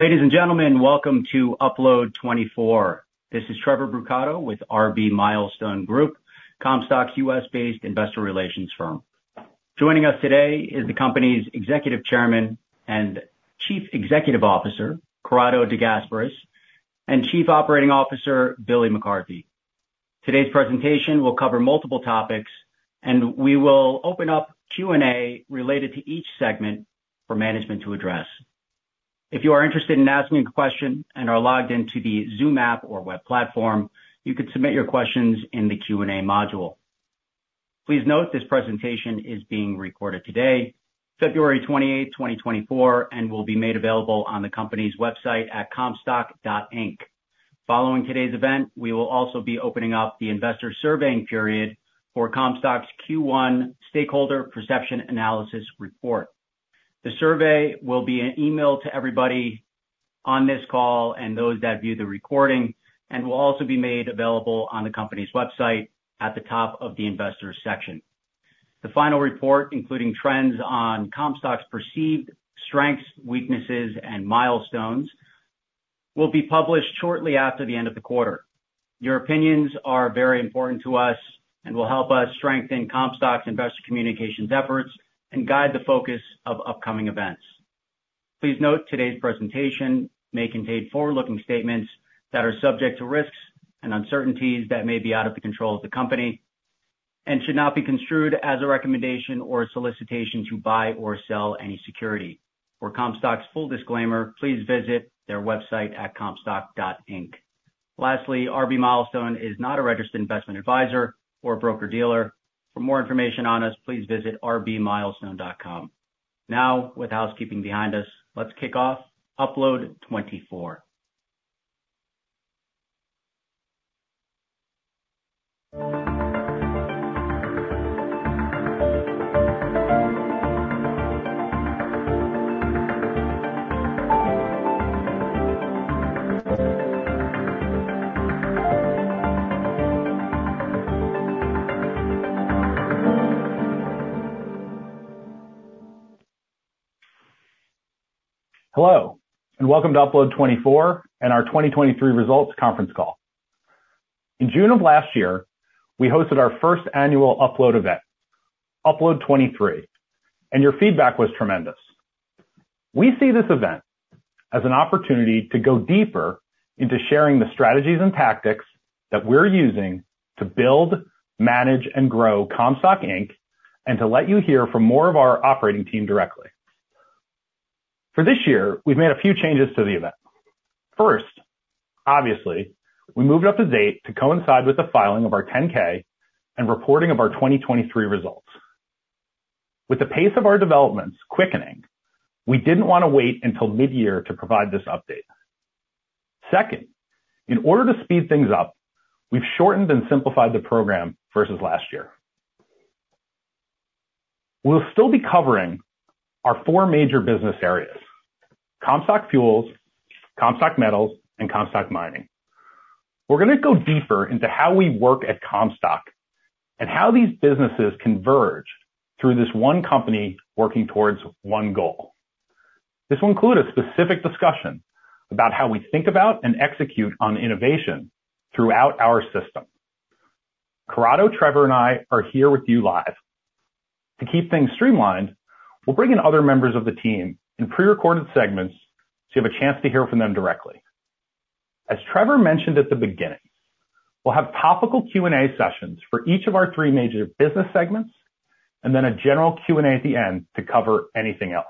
Ladies and gentlemen, welcome to Upload 2024. This is Trevor Brucato with RB Milestone Group, Comstock's U.S.-based investor relations firm. Joining us today is the Company's Executive Chairman and Chief Executive Officer Corrado De Gasperis and Chief Operating Officer Billy McCarthy. Today's presentation will cover multiple topics and we will open up Q&A related to each segment for management to address. If you are interested in asking a question and are logged into the Zoom app or web platform, you could submit your questions in the Q&A module. Please note this presentation is being recorded today, February 28, 2024 and will be made available on the company's website at comstock.inc following today's event; we will also be opening up the investor surveying period for Comstock's Q1 status Stakeholder Perception Analysis report. The survey will be an email to everybody on this call and those that view the recording and will also be made available on the company's website at the top of the Investors section. The final report, including trends on Comstock's perceived strengths, weaknesses and milestones will be published shortly after the end of the quarter. Your opinions are very important to us and will help us strengthen Comstock's investor communications efforts and guide the focus of upcoming events. Please note, today's presentation may contain forward-looking statements that are subject to risks and uncertainties that may be out of the control of the company and should not be construed as a recommendation or solicitation to buy or sell any security. For Comstock's full disclaimer, please visit their website at comstock.inc. Lastly, RB Milestone is not a registered investment advisor or broker dealer. For more information on us, please visit rbmilestone.com. Now with housekeeping behind us, let's kick off Upload 2024. Hello and welcome to Upload 2024 and our 2023 results conference call. In June of last year we hosted our first annual Upload event, Upload 2023, and your feedback was tremendous. We see this event as an opportunity to go deeper into sharing the strategies and tactics that we're using to build, manage and grow Comstock Inc. And to let you hear from more of our operating team directly. For this year, we've made a few changes to the event. First, obviously we moved up the date to coincide with the filing of our 10-K and reporting of our 2023 results. With the pace of our developments quickening, we didn't want to wait until mid year to provide this update. Second, in order to speed things up, we've shortened and simplified the program versus last year. We'll still be covering our four major business Comstock Fuels, Comstock Metals and Comstock Mining. We're going to go deeper into how we work at Comstock and how these businesses converge through this one company working towards one goal. This will include a specific discussion about how we think about and execute on innovation throughout our system. Corrado, Trevor and I are here with you live. To keep things streamlined, we'll bring in other members of the team in prerecorded segments so you have a chance to hear from them directly. As Trevor mentioned at the beginning, we'll have topical Q and A sessions for each of our three major business segments and then a general Q and A at the end to cover anything else.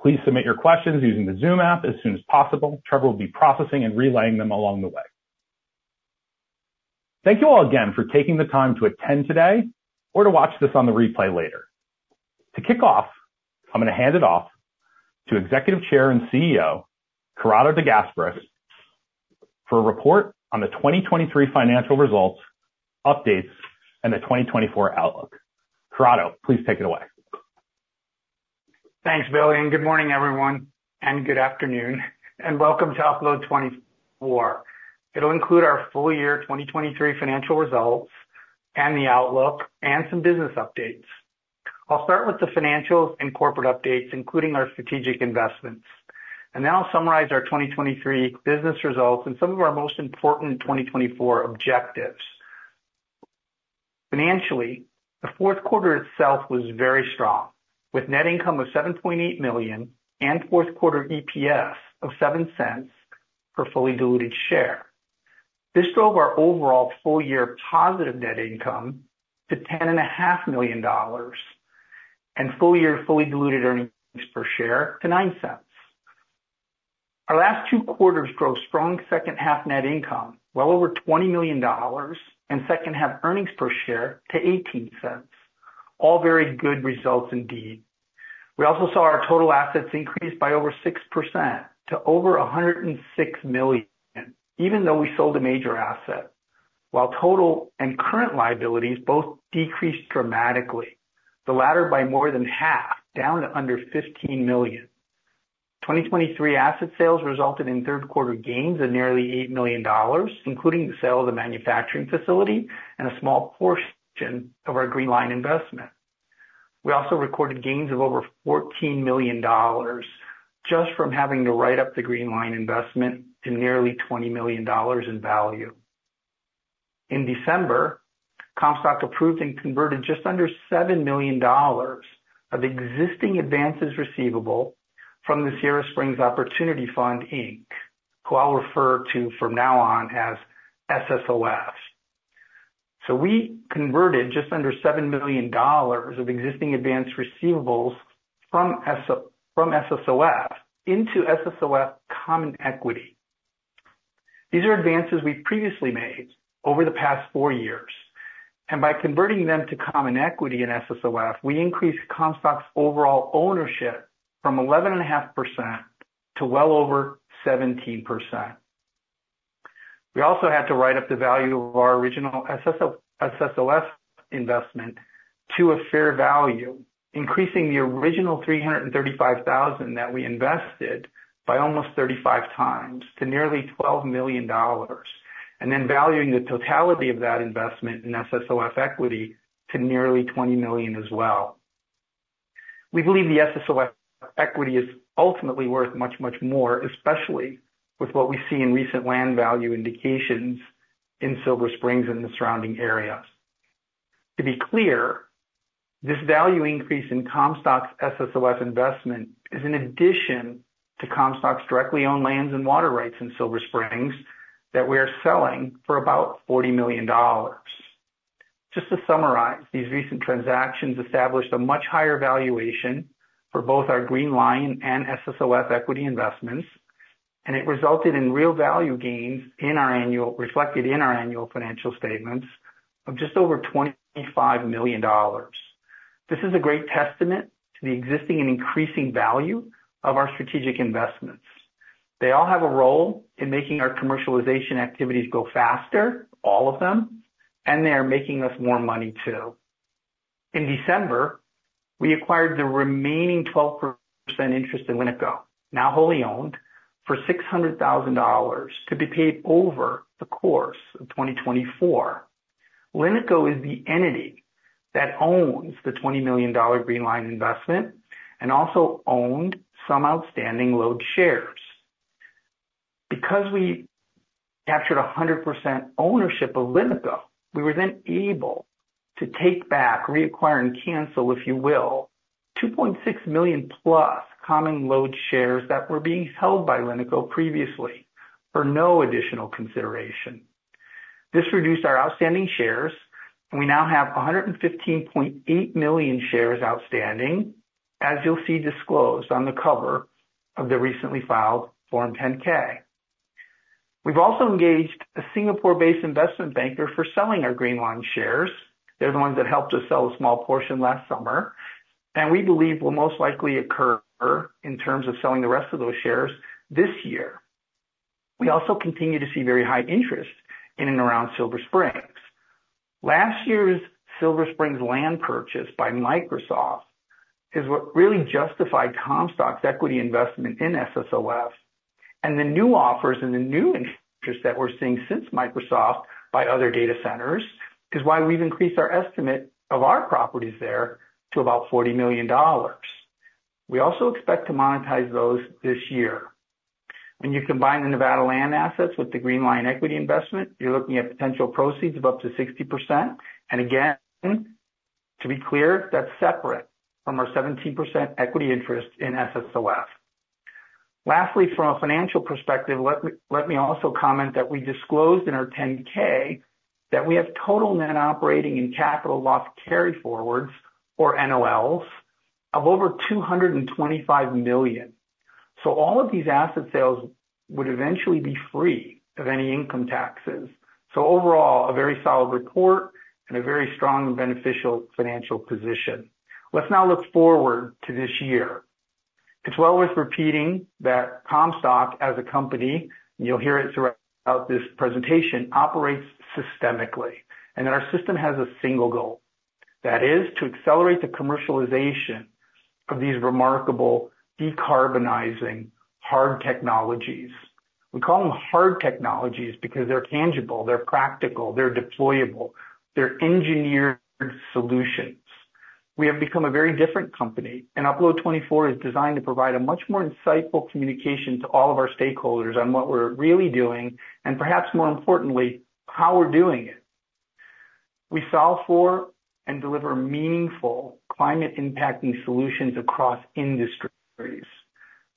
Please submit your questions using the Zoom app as soon as possible. Trevor will be processing and relaying them along the way. Thank you all again for taking the time to attend today or to watch this on the replay later. To kick off, I'm going to hand it off to Executive Chair and CEO Corrado De Gasperis for a report on the 2023 financial results updates and the 2024 outlook. Corrado, please take it away. Thanks Billy and good morning everyone and good afternoon and welcome to Upload 2024. It'll include our full year 2023 financial results and the outlook and some business updates. I'll start with the financials and corporate updates including our strategic investments, and then I'll summarize our 2023 business results and some of our most important 2024 objectives. Financially, the fourth quarter itself was very strong with net income of $7.8 million and fourth quarter EPS of $0.07 per fully diluted share. This drove our overall full year positive net income to $10.5 million and full year fully diluted earnings per share to $0.09. Our last two quarters drove strong second half net income well over $20 million and second half earnings per share to $0.18. All very good results indeed. We also saw our total assets increase by over 6% to over $106 million even though we sold a major asset, while total and current liabilities both decreased dramatically, the latter by more than half down to under $15 million. 2023 asset sales resulted in third quarter gains of nearly $8 million, including the sale of the manufacturing and a small portion of our Green Li-ion investment. We also recorded gains of over $14 million just from having to write up the Green Li-ion investment to nearly $20 million in value. In December, Comstock approved and converted just under $7 million of existing advances receivable from the Sierra Springs Opportunity Fund, Inc., which I'll refer to from now on as SSOF. So we converted just under $7 million of existing advance receivables from SSOF into SSOF common equity. These are advances we've previously made over the past four years and by converting them to common equity in SSOF, we increase Comstock's overall ownership from 11.5% to well over 17%. We also had to write up the value of our original SSOF investment to a fair value, increasing the original 335,000 that we invested by almost 35x to nearly $12 million and then valuing the totality of that investment in SSOF equity to nearly $20 million as well. We believe the SSOF equity is ultimately worth much, much more, especially with what we see in recent land value indications in Silver Springs and the surrounding areas. To be clear, this value increase in Comstock's SSOF investment is in addition to Comstock's directly owned lands and water rights in Silver Springs that we are selling for about $40 million. Just to summarize, these recent transactions established a much higher valuation for both our Green Li-ion and SSOF equity investments and it resulted in real value gains in our annual, reflected in our annual financial statements of just over $25 million. This is a great testament to the existing and increasing value of our strategic investments. They all have a role in making our commercialization activities go faster, all of them. And they are making us more money too. In December we acquired the remaining 12% interest in LiNiCo, now wholly owned for $600,000 to be paid over the course of 2024. LiNiCo is the entity that owns the $20 million Green Li-ion investment and also owned some outstanding LODE shares. Because we captured 100% ownership of LiNiCo, we were then able to take back, reacquire and cancel, if you will, 2.6 million plus common LODE shares that were being held by LiNiCo previously. For no additional consideration, this reduced our outstanding shares. We now have 115.8 million shares outstanding, as you'll see disclosed on the cover of the recently filed Form 10-K. We've also engaged a Singapore-based investment banker for selling our Green Li-ion shares. They're the ones that helped us sell a small portion last summer and we believe will most likely occur in terms of selling the rest of those shares this year. We also continue to see very high interest in and around Silver Springs. Last year, the Silver Springs land purchase by Microsoft is what really justified Comstock's equity investment in SSOF and the new offers and the new interest that we're seeing since Microsoft buying other data centers is why we've increased our estimate of our properties there to about $40 million. We also expect to monetize those this year. When you combine the Nevada land assets with the Green Li-ion equity investment, you're looking at potential proceeds of up to 60%. And again to be clear, that's separate from our 17% equity interest in SSOF. Lastly, from a financial perspective, let me also comment that we disclosed in our 10-K that we have total net operating and capital loss carried forwards or NOLs of over $225 million. All of these asset sales would eventually be free of any income taxes. Overall, a very solid report and. A very strong and beneficial financial position. Let's now look forward to this year. It's well worth repeating that Comstock as a company, you'll hear it throughout this presentation, operates systemically and that our system has a single goal that is to accelerate the commercialization of these remarkable decarbonizing hard technologies. We call them hard technologies because they're tangible, they're practical, they're deployable, they're engineered solutions. We have become a very different company and Upload 2024 is designed to provide a much more insightful communication to all of our stakeholders on what we're really doing and perhaps more importantly, how we're doing it. We solve for and deliver meaningful climate impacting solutions across industry.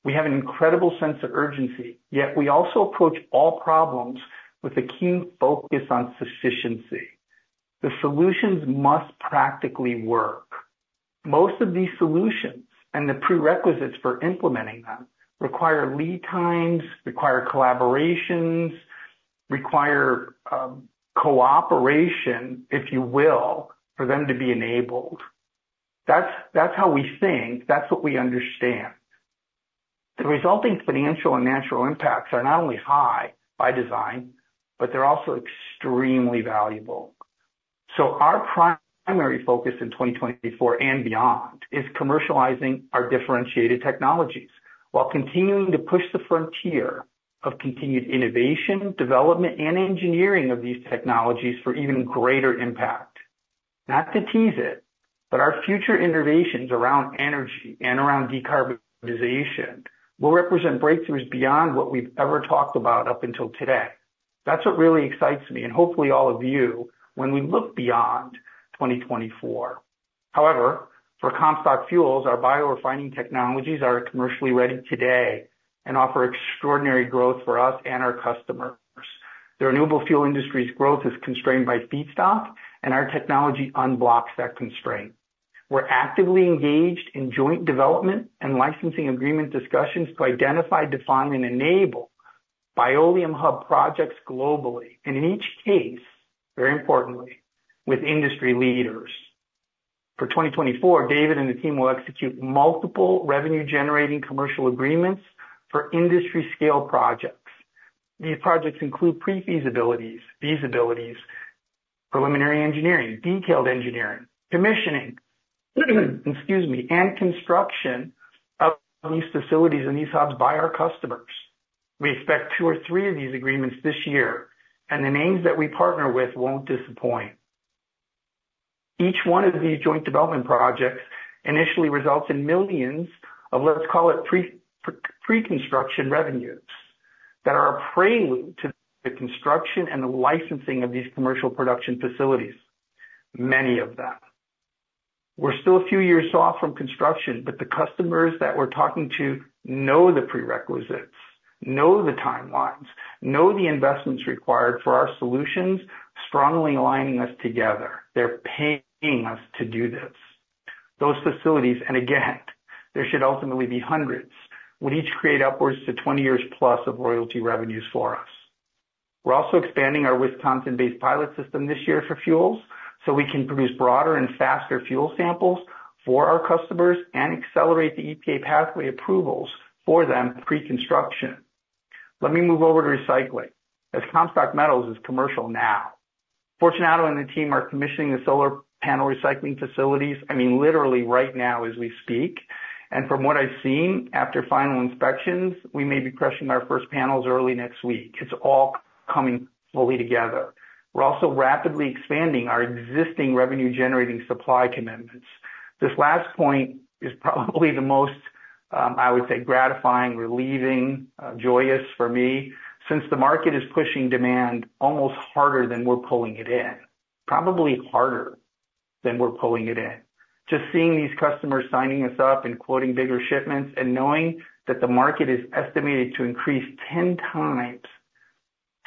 We have an incredible sense of urgency, yet we also approach all problems with a keen focus on sufficiency. The solutions must practically work. Most of these solutions and the prerequisites for implementing them require lead times, require collaborations, require cooperation, if you will, for them to be enabled. That's how we think, that's what we understand. The resulting financial and natural impacts are not only high by design, but they're also extremely valuable. So our primary focus in 2024 and beyond is commercializing our differentiated technologies while continuing to push the frontier of continued innovation, development and engineering of these technologies for even greater impact. Not to tease it, but our future innovations around energy and around decarbonization will represent breakthroughs beyond what we've ever talked about up until today. That's what really excites me and hopefully all of you when we look beyond 2024. However, for Comstock Fuels, our biorefining technologies are commercially ready today and offer extraordinary growth for us and our customers. The renewable fuel industry's growth is constrained by feedstock and our technology unblocks that constraint. We're actively engaged in joint development and licensing agreement discussions to identify, define and enable Bioleum hub projects globally and in each case, very importantly, with industry leaders. For 2024, David and the team will execute multiple revenue-generating commercial agreements for industry-scale projects. These projects include pre-feasibilities, feasibilities, preliminary engineering, detailed engineering, commissioning, excuse me, and construction of these facilities and these hubs by our customers. We expect two or three of these agreements this year and the names that we partner with won't disappoint. Each one of these joint development projects initially results in millions of pre-construction revenues that are prelude to the construction and the licensing of these commercial production facilities. Many of them we're still a few years off from construction, but the customers that we're talking to know the prerequisites, know the timelines, know the investments required for our solutions, strongly aligning us together. They're paying us to do this. Those facilities, and again, there should ultimately be hundreds, would each create upwards to 20 years plus of royalty revenues for us. We're also expanding our Wisconsin-based pilot system this year for fuels so we can produce broader and faster fuel samples for our customers and accelerate the EPA pathway approvals for them pre-construction. Let me move over to recycling. As Comstock Metals is commercial now, Fortunato and the team are commissioning the solar panel recycling facilities. I mean literally right now, as we speak. From what I've seen after final inspections, we may be crushing our first panels early next week. It's all coming fully together. We're also rapidly expanding our existing revenue generating supply commitments. This last point is probably the most, I would say gratifying, relieving, joyous for me, since the market is pushing demand almost harder than we're pulling it in. Probably harder than we're pulling it in. Just seeing these customers signing us up and quoting bigger shipments and knowing that the market is estimated to increase 10 times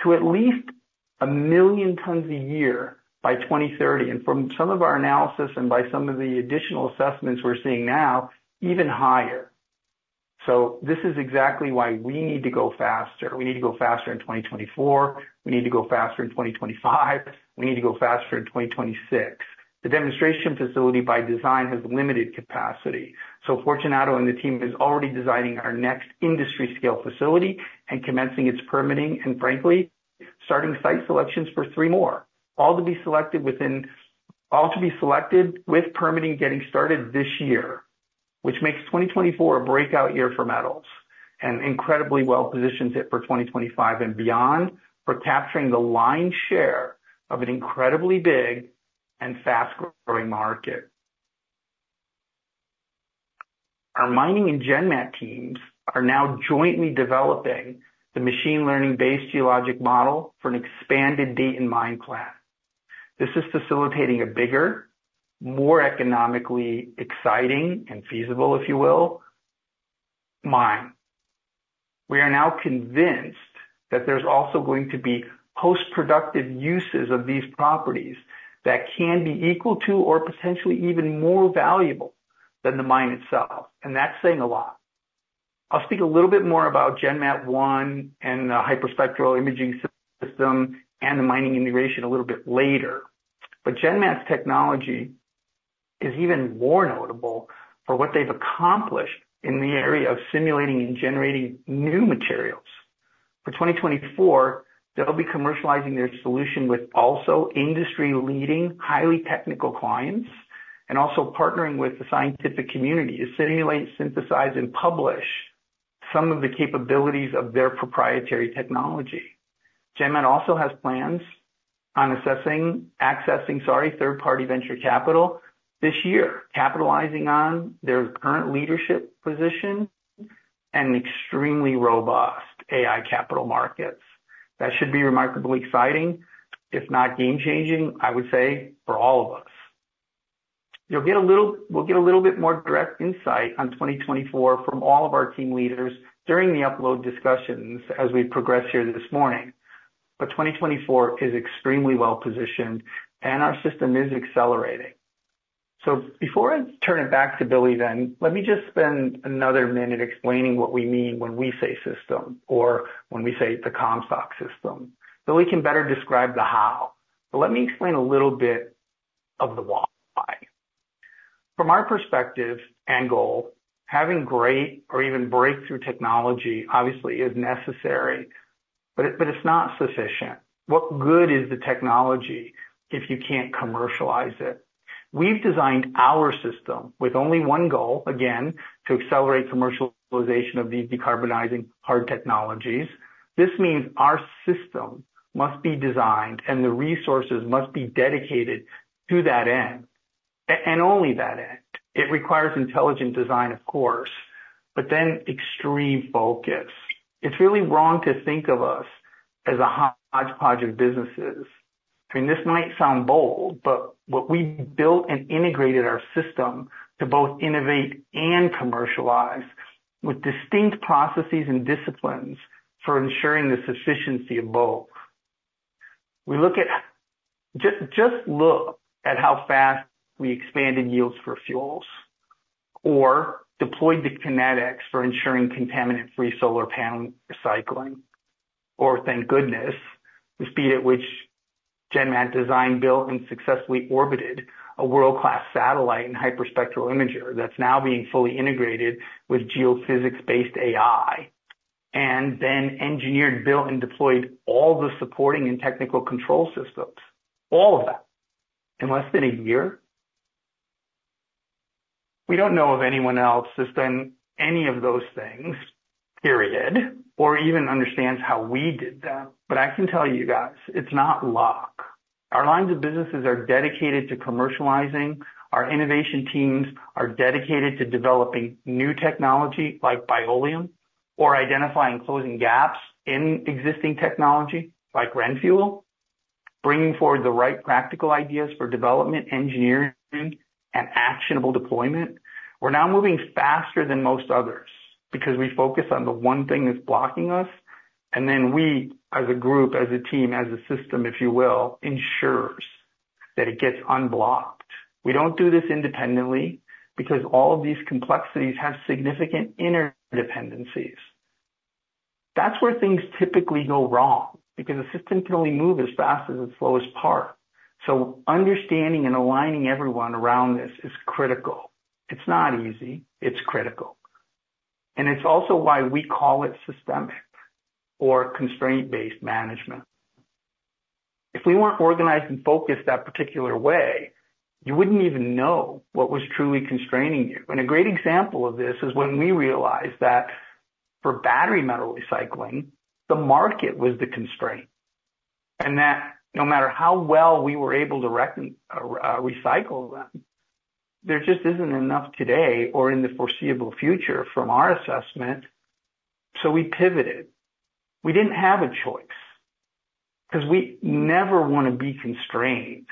to at least 1 million tons a year by 2030, and from some of our analysis and by some of the additional assessments, we're seeing now, even higher. So this is exactly why we need to go faster. We need to go faster in 2024. We need to, we need to go faster in 2025, we need to go faster in 2026. The demonstration facility by design has limited capacity. So Fortunato and the team is already designing our next industry-scale facility and commencing its permitting and frankly starting site selections for 3 more. All to be selected within, all to be selected. With permitting getting started this year, which makes 2024 a breakout year for metals and incredibly well positioned it for 2025 and beyond for capturing the lion's share of an incredibly big and fast-growing market. Our mining and GenMat teams are now jointly developing the machine-learning-based geologic model for an expanded data and mine plan. This is facilitating a bigger, more economically exciting and feasible, if you will, mine. We are now convinced that there's also going to be post-productive uses of these properties that can be equal to or potentially even more valuable than the mine itself. And that's saying a lot. I'll speak a little bit more about GenMat-1 and the hyperspectral imaging system and the mining integration a little bit later, but GenMat's technology is even more notable for what they've accomplished in the area of simulating and generating new materials for 2024. They'll be commercializing their solution with also industry leading, highly technical clients and also partnering with the scientific community to simulate, synthesize and publish some of the capabilities of their proprietary technology. GenMat also has plans on accessing, sorry, third party venture capital this year, capitalizing on their current leadership position and extremely robust AI capital markets. That should be remarkably exciting if not game changing. I would say for all of us. We'll get a little bit more direct insight on 2024 from all of our team leaders during the update discussions as we progress here this morning. But 2024 is extremely well positioned and our system is accelerating. So before I turn it back to Billy, then let me just spend another minute explaining what we mean when we say system or when we say the Comstock System. Billy can better describe the how, but let me explain a little bit of the why. From our perspective and goal. Having great or even breakthrough technology obviously is necessary, but it's not sufficient. What good is the technology if you can't commercialize it? We've designed our system with only one goal again, to accelerate commercialization of these decarbonizing hard technologies. This means our system must be designed and the resources must be dedicated to that end and only that end. It requires intelligent design, of course, but then extreme focus. It's really wrong to think of us as a hodgepodge of businesses. I mean this might sound bold, but what we built and integrated our system to both innovate and commercialize with distinct processes and disciplines for ensuring the sufficiency of both. We just look at how fast we expanded yields for fuels or deployed the kinetics for ensuring contaminant-free solar panel recycling or thank goodness, the speed at which GenMat designed, built and successfully orbited a world-class satellite and hyperspectral imager that's now being fully integrated with geophysics-based AI and then engineered, built and deployed all the supporting and technical control systems. All of that in less than a year. We don't know of anyone else has done any of those things, period, or even understands how we did them. But I can tell you guys, it's not luck. Our lines of businesses are dedicated to commercializing. Our innovation teams are dedicated to developing new technology like Bioleum or identifying closing gaps in existing technology like RenFuel. Bringing forward the right practical ideas for development, engineering and actionable deployment. We're now moving faster than most others because we focus on the one thing that's blocking us. And then we as a group, as a team, as a system, if you will, ensures that it gets unblocked. We don't do this independently because all of these complexities have significant interdependencies. That's where things typically go wrong, because the system can only move as fast as its slowest part. So understanding and aligning everyone around this is critical. It's not easy, it's critical. And it's also why we call it systemic or constraint based management. If we weren't organized and focused that particular way, you wouldn't even know what was truly constraining you. A great example of this is when we realized that for battery metal recycling, the market was the constraint and that no matter how well we were able to recycle them, there just isn't enough today or in the foreseeable future from our assessment. We pivoted. We didn't have a choice because we never want to be constrained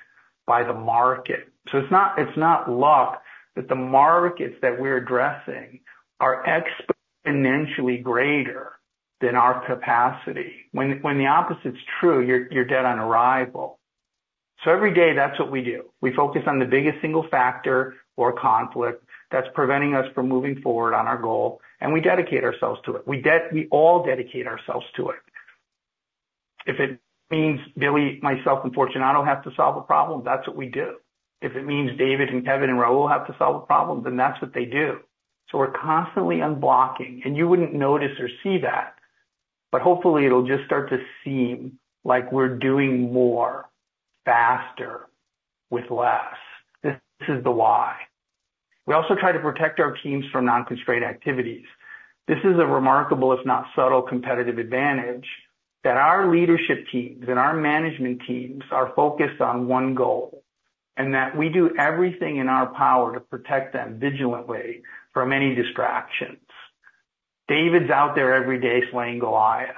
by the market. It's not luck that that the markets that we're addressing are exponentially greater than our capacity. When the opposite's true, you're dead on arrival. Every day that's what we do. We focus on the biggest single factor or conflict that's preventing us from moving. Forward on our goal. We dedicate ourselves to it. We all dedicate ourselves to it. If it means Billy, myself and Fortunato, I don't have to solve a problem. That's what we do. If it means David and Kevin and Rahul have to solve a problem, then that's what they do. So we're constantly unblocking and you wouldn't notice or see that, but hopefully it'll just start to seem like we're doing more, faster with less. This is the why. We also try to protect our teams from non-constrained activities. This is a remarkable, if not subtle competitive advantage that our leadership teams and our management teams are focused on one goal and that we do everything in our power to protect them vigilantly from any distractions. David's out there every day slaying Goliath.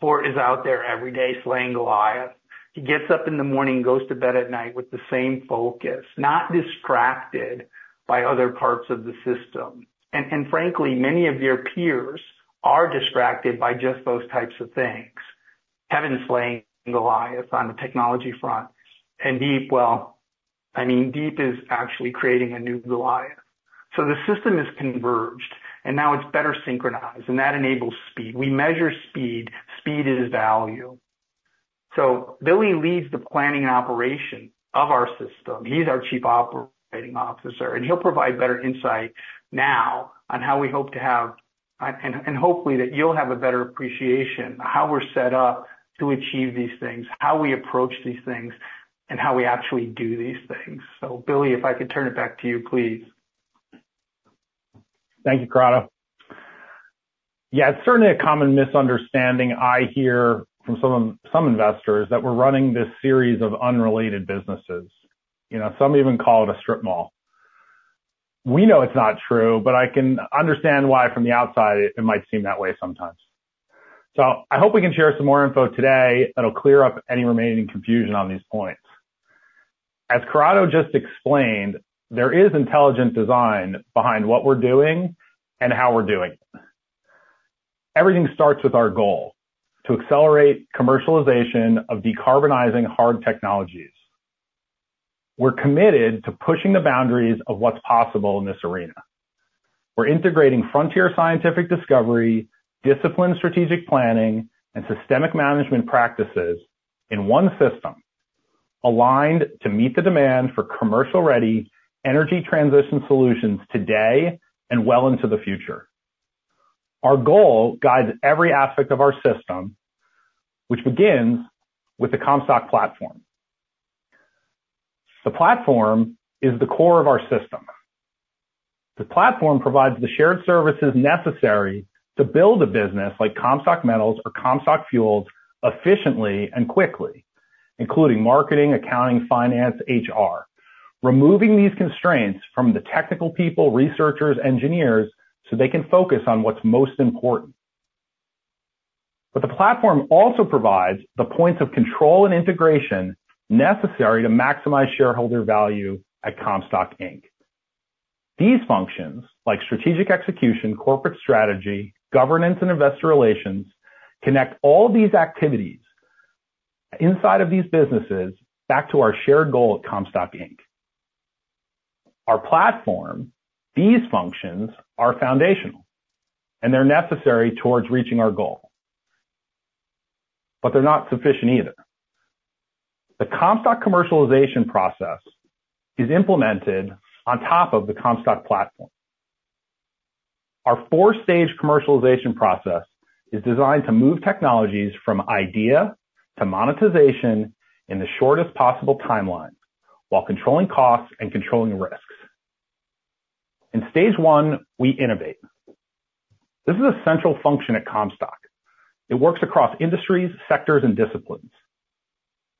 Fort is out there every day slaying Goliath. He gets up in the morning, goes to bed at night with the same focus, not distracted by other parts of the system. Frankly, many of your peers are distracted by just those types of things. Kevin slaying Goliath on the technology front and Deep. Well, I mean Deep is actually creating a new Goliath. The system is converged and now it's better synchronized and that enables speed. We measure speed. Speed is value. Billy leads the planning and operation of our system. He's our Chief Operating Officer and he'll provide better insight now on how we hope to have and hopefully that you'll have a better appreciation how we're set up to achieve these things, how we approach these things and how we actually do these things. Billy, if I could turn it back to you, please. Thank you. Corrado. Yeah, it's certainly a common misunderstanding. I hear from some investors that we're running this series of unrelated businesses. Some even call it a strip mall. We know it's not true, but I can understand why from the outside it might seem that way sometimes. So I hope we can share some more info today that'll clear up any remaining confusion on these points. As Corrado just explained, there is intelligent design behind what we're doing and how we're doing it. Everything starts with our goal to accelerate commercialization of decarbonizing hard technologies. We're committed to pushing the boundaries of what's possible in this arena. We're integrating frontier scientific discovery, disciplined strategic planning and systemic management practices in one system aligned to meet the demand for commercial ready energy transition solutions today and well into the future. Our goal guides every aspect of our system which begins with the Comstock platform. The platform is the core of our system. The platform provides the shared services necessary to build a business like Comstock Metals or Comstock Fuels efficiently and quickly, including marketing, accounting, finance, HR. Removing these constraints from the technical people, researchers, engineers, so they can focus on what's most important. But the platform also provides the points of control and integration necessary to maximize shareholder value. At Comstock Inc. These functions like strategic execution, corporate strategy, governance and investor relations connect all these activities inside of these businesses. Back to our shared goal at Comstock Inc. Our platform. These functions are foundational and they're necessary towards reaching our goal. But they're not sufficient either. The Comstock commercialization process is implemented on top of the Comstock platform. Our four-stage commercialization process is designed to move technologies from idea to monetization in the shortest possible timeline while controlling costs and controlling risks. In stage one, we innovate. This is a central function at Comstock. It works across industries, sectors and disciplines.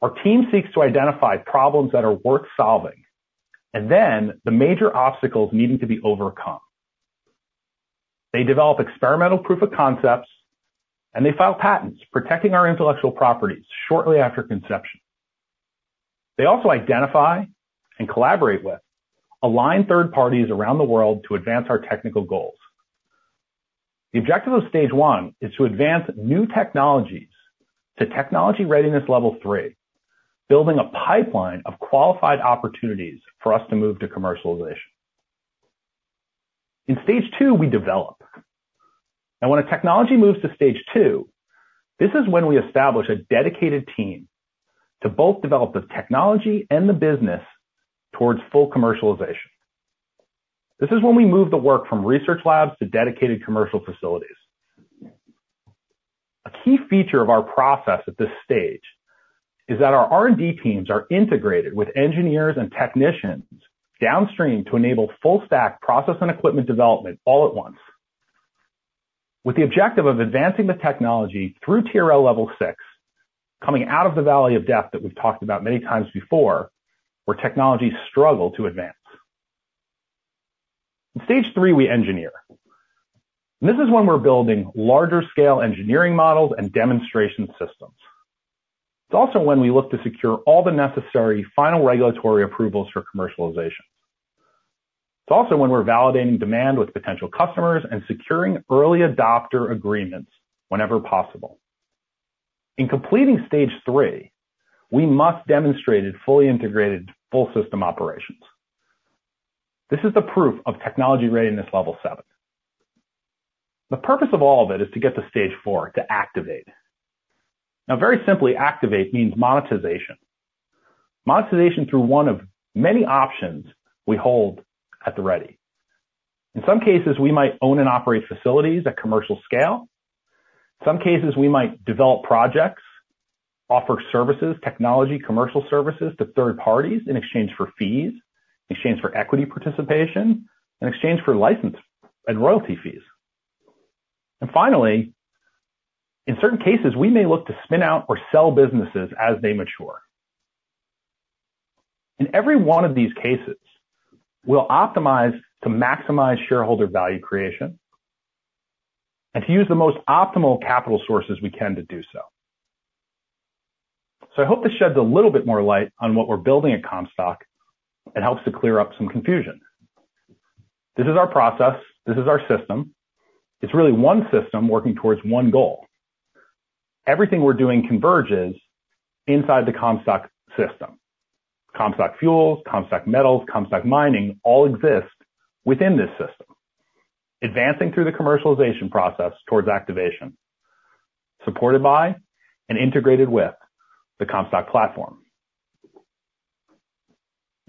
Our team seeks to identify problems that are worth solving and then the major obstacles needing to be overcome. They develop experimental proof of concepts and they file patents protecting our intellectual properties shortly after conception. They also identify and collaborate with aligned third parties around the world to advance our technical goals. The objective of stage one is to advance new technologies to Technology Readiness Level three, building a pipeline of qualified opportunities for us to move to commercialization. In stage two, we develop and when a technology moves to stage two, this is when we establish a dedicated team to both develop the technology and the business towards full commercialization. This is when we move the work from research labs to dedicated commercial facilities. A key feature of our process at this stage is that our R&D teams are integrated with engineers and technicians downstream to enable full stack process and equipment development all at once with the objective of advancing the technology through TRL level six, coming out of the Valley of Death that we've talked about many times before where technologies struggle to advance. In stage three, we engineer. This is when we're building larger scale engineering models and demonstration systems. It's also when we look to secure all the necessary final regulatory approvals for commercialization. It's also when we're validating demand with potential customers and securing early adopter agreements whenever possible. In completing stage three, we must demonstrate fully integrated full system operations. This is the proof of Technology Readiness Level 7. The purpose of all of it is to get to stage four to activate. Now, very simply, activate means monetization. Monetization through one of many options we hold at the ready. In some cases, we might own and operate facilities at commercial scale. Some cases we might develop projects, offer services, technology commercial services to third parties in exchange for fees in exchange for equity participation in exchange for license and royalty fees. And finally, in certain cases, we may look to spin out or sell businesses as they mature. In every one of these cases, we'll optimize to maximize shareholder value creation and to use the most optimal capital sources we can to do so. So I hope this sheds a little bit more light on what we're building at Comstock. It helps to clear up some confusion. This is our process. This is our system. It's really one system working towards one goal. Everything we're doing converges inside the Comstock System. Comstock Fuels, Comstock Metals, Comstock Mining all exist within this system, advancing through the commercialization process towards activation supported by and integrated with the Comstock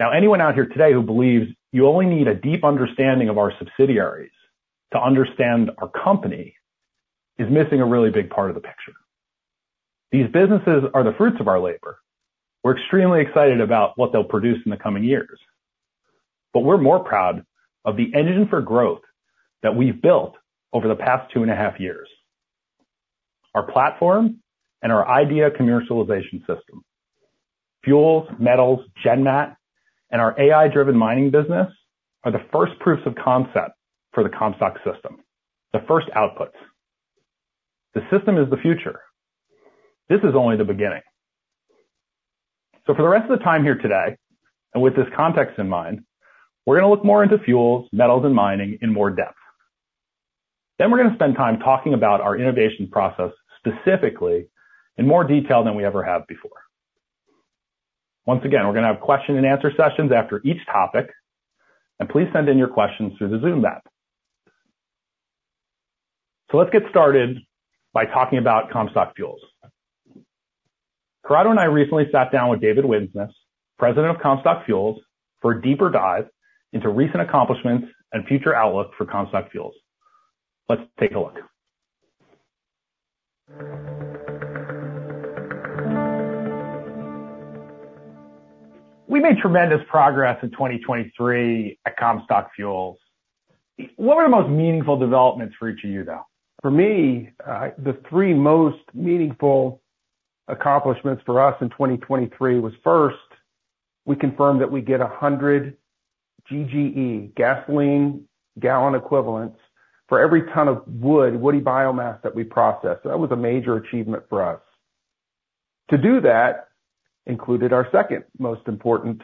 platform. Now, anyone out here today who believes in you only need a deep understanding of our subsidiaries to understand our company is missing a really big part of the picture. These businesses are the fruits of our labor. We're extremely excited about what they'll produce in the coming years, but we're more proud of the engine for growth that we've built over the past two and a half years. Our platform and our idea commercialization system, Fuels, Metals, GenMat and our AI-driven mining business are the first proofs of concept for the Comstock System. The first outputs the system is the future. This is only the beginning. For the rest of the time here today and with this context in mind, we're going to look more into fuels, metals and mining in more depth. Then we're going to spend time talking about our innovation process, specifically in more detail than we ever have before. Once again, we're going to have question and answer sessions after each topic and please send in your questions through the Zoom app. Let's get started by talking about Comstock Fuels. Corrado and I recently sat down with David Winsness, President of Comstock Fuels, for a deeper dive into recent accomplishments and future outlook for Comstock Fuels. Let's take a look. We made tremendous progress in 2023 at Comstock Fuels. What were the most meaningful developments for each of you though? For me, the three most meaningful accomplishments for us in 2023 was first we confirmed that we get 100 GGE gasoline gallon equivalents for every ton of woody biomass that we process. That was a major achievement for us to do. That included our second most important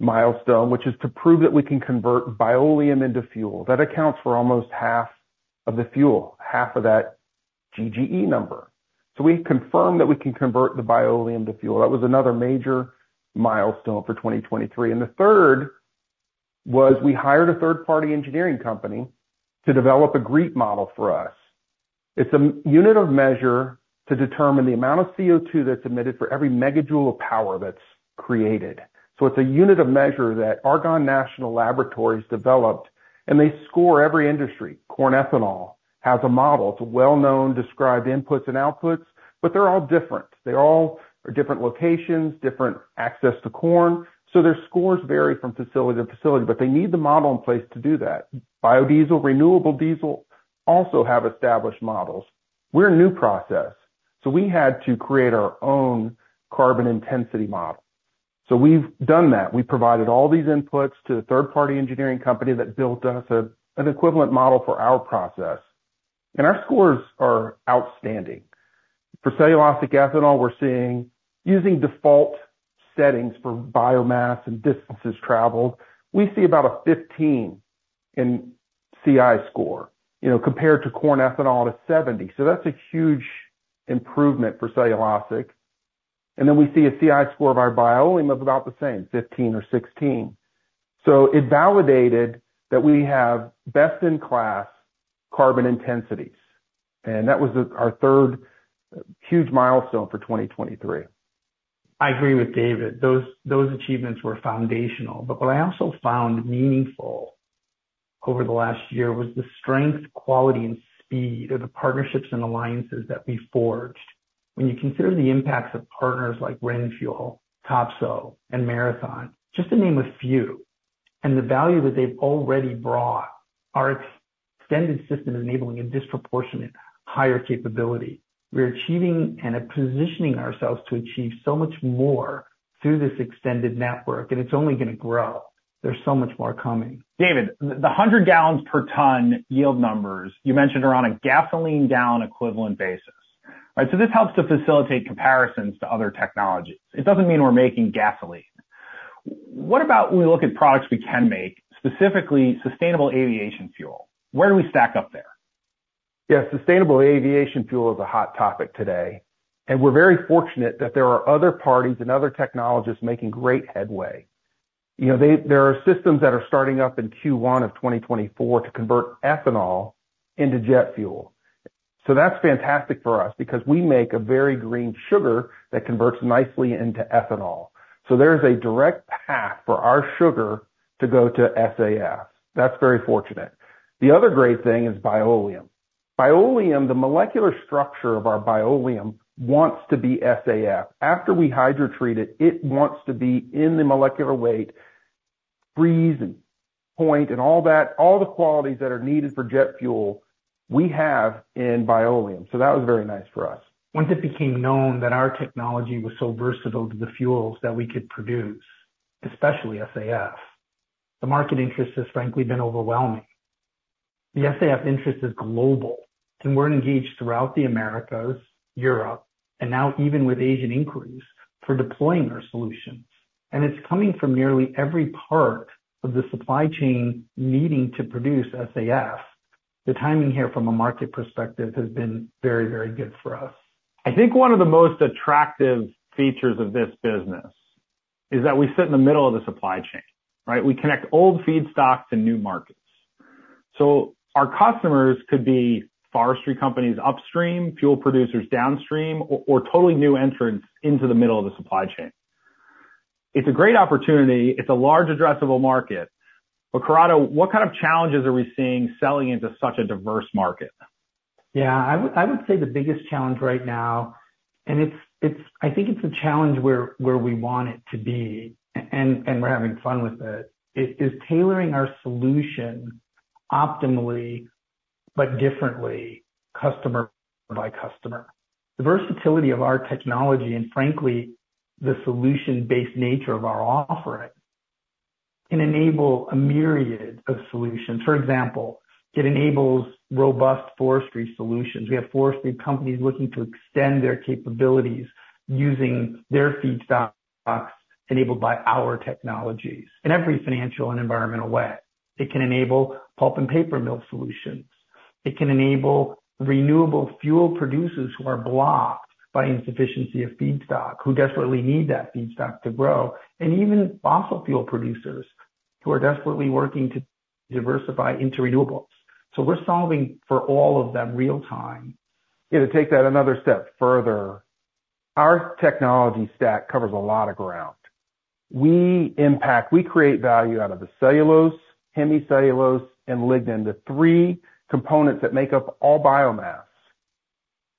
milestone, which is to prove that we can convert Bioleum into fuel. That accounts for almost half of the fuel, half of that GGE number. So we confirmed that we can convert the Bioleum to fuel. That was another major milestone for 2023. And the third was we hired a third party engineering company to develop a GREET model for us. It's a unit of measure to determine the amount of CO2 that's emitted for every megajoule of power that's created. So it's a unit of measure that Argonne National Laboratory developed and they score every industry. Corn ethanol has a model, it's a well known described inputs and outputs, but they're all different. They're all different locations, different access to corn. So their scores vary from facility to facility, but they need the model in place to do that. Biodiesel, renewable diesel also have established models. We're a new process so we had to create our own carbon intensity model. So we've done that. We provided all these inputs to a third party engineering company that built us an equivalent model for our process. Our scores are outstanding. For cellulosic ethanol, we're seeing, using default settings for biomass and distances traveled, we see about a 15 in CI score, you know, compared to corn ethanol to 70. So that's a huge improvement for cellulosic. And then we see a CI score by Bioleum of about the same 15 or 16. So it validated that we have best in class carbon intensities. And that was our third huge milestone for 2023. I agree with David, those achievements were foundational. But what I also found meaningful over the last year was the strength, quality and speed of the partnerships and alliances that we forged. When you consider the impacts of partners like RenFuel, Topsoe and Marathon, just to name a few, and the value that they've already brought, our extended system is enabling a disproportionate higher capability. We're achieving and positioning ourselves to achieve so much more through this extended network. And it's only going to grow. There's so much more coming. David, the 100 gallons per ton yield numbers you mentioned are on a gasoline gallon equivalent basis. So this helps to facilitate comparisons to other technologies. It doesn't mean we're making gasoline. What about when we look at products we can make specifically sustainable aviation fuel? Where do we stack up there? Yes, sustainable aviation fuel is a hot topic today and we're very fortunate that there are other parties and other technologists making great headway. You know, there are systems that are starting up in Q1 of 2024 to convert ethanol into jet fuel. So that's fantastic for us because we make a very green sugar that converts nicely into ethanol. There is a direct path for. Our sugar to go to SAF. That's very fortunate. The other great thing is Bioleum. The molecular structure of our Bioleum wants to be SAF. After we hydrotreat it, it wants to be in the molecular weight, freezing point and all that. All the qualities that are needed for jet fuel we have in Bioleum. So that was very nice for us. Once it became known that our technology was so versatile to the fuels that we could produce, especially SAF. The market interest has frankly been overwhelming. The SAF interest is global and we're engaged throughout the Americas, Europe, and now, even with Asian inquiries for deploying our solutions. And it's coming from nearly every part of the supply chain needing to produce SAF. The timing here from a market perspective has been very, very good for us. I think one of the most attractive features of this business is that we sit in the middle of the supply chain, right? We connect old feedstock to new markets. So our customers could be forestry companies upstream, fuel producers downstream, or totally new entrants into the middle of the supply chain. It's a great opportunity. It's a large addressable market. But Corrado, what kind of challenges are we seeing selling into such a diverse market? Yeah, I would say the biggest challenge right now, and I think it's a challenge where we want it to be, and we're having fun with it, is tailoring our solution optimally, but differently, customer by customer, the versatility of our technology and frankly the solution based nature of our offering. And enable a myriad of solutions. For example, it enables robust forestry solutions. We have forestry companies looking to extend their capabilities using their feedstocks enabled by our technologies in every financial and environmental way. It can enable pulp and paper mill solutions. It can enable renewable fuel producers who are blocked by insufficiency of feedstock, who desperately need that feedstock to grow, and even fossil fuel producers who are desperately working to diversify into renewables. So we're solving for all of them, real time. To take that another step further, our technology stack covers a lot of ground. We impact, we create value out of the cellulose, hemicellulose and lignin, the three components that make up all biomass.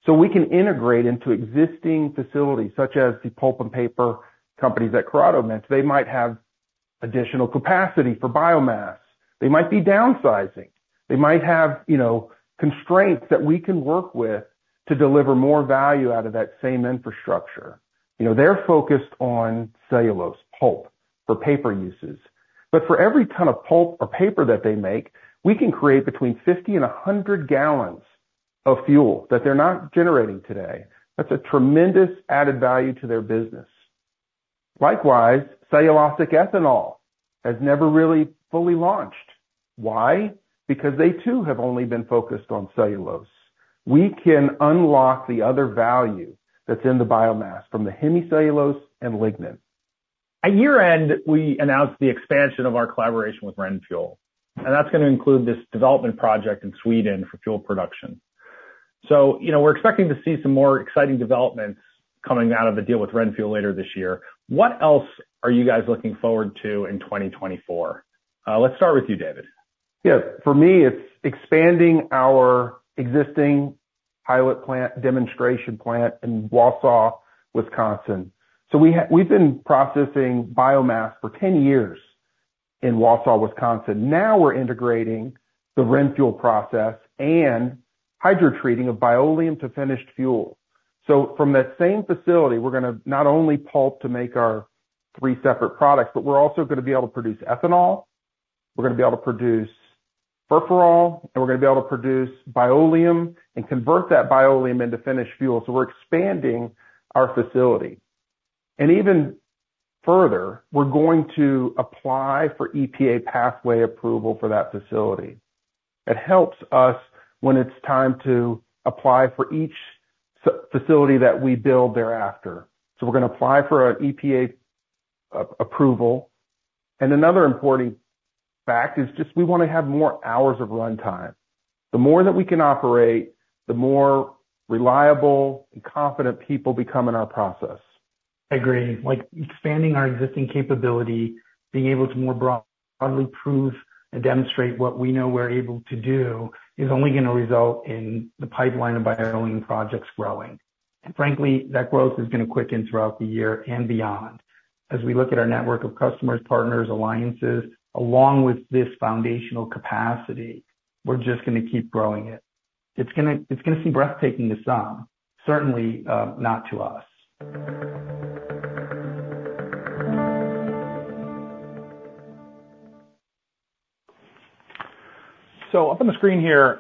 So we can integrate into existing facilities, such as the pulp and paper companies that Corrado mentioned. They might have additional capacity for biomass. They might be downsizing, they might have, you know, constraints that we can work with to deliver more value out of that same infrastructure. You know, they're focused on cellulose pulp for paper uses. But for every ton of pulp or paper that they make, we can create between 50 gallons-100 gallons of fuel that they're not generating today. That's a tremendous added value to their business. Likewise, cellulosIc ethanol has never really fully launched. Why? Because they too have only been focused on cellulose. We can unlock the other value that's in the biomass from the hemicellulose and lignin. At year end, we announced the expansion of our collaboration with RenFuel and that's going to include this development project in Sweden for fuel production. So you know, we're expecting to see some more exciting developments coming out of the deal with RenFuel later this year. What else are you guys looking forward to in 2024? Let's start with you, David. Yeah, for me it's expanding our existing pilot plant demonstration plant in Wausau, Wisconsin. So we've been processing biomass for 10 years in Wausau, Wisconsin. Now we're integrating the RenFuel process and hydrotreating of Bioleum to finished fuel. So from that same facility we're going to not only pulp to make our three separate products, but we're also going to be able to produce ethanol, we're going to be able to produce furfural and we're going to be able to produce Bioleum and convert that Bioleum into finished fuel. So we're expanding our facility and even further we're going to apply for EPA pathway approval for that facility. It helps us when it's time to apply for each facility that we build thereafter. So we're going to apply for an EPA approval. And another important fact is just we want to have more hours of runtime. The more that we can operate, the more, the more reliable and confident people become in our process. Agree, like expanding our existing capability, being able to more broadly prove and demonstrate what we know we're able to do is only going to result in the pipeline of Bioleum projects growing. And frankly that growth is going to quicken throughout the year and beyond. As we look at our network of customers, partners, alliances along with this foundational capacity. We're just going to keep growing it. It's going to, it's going to seem breathtaking to some, certainly not to us. So up on the screen here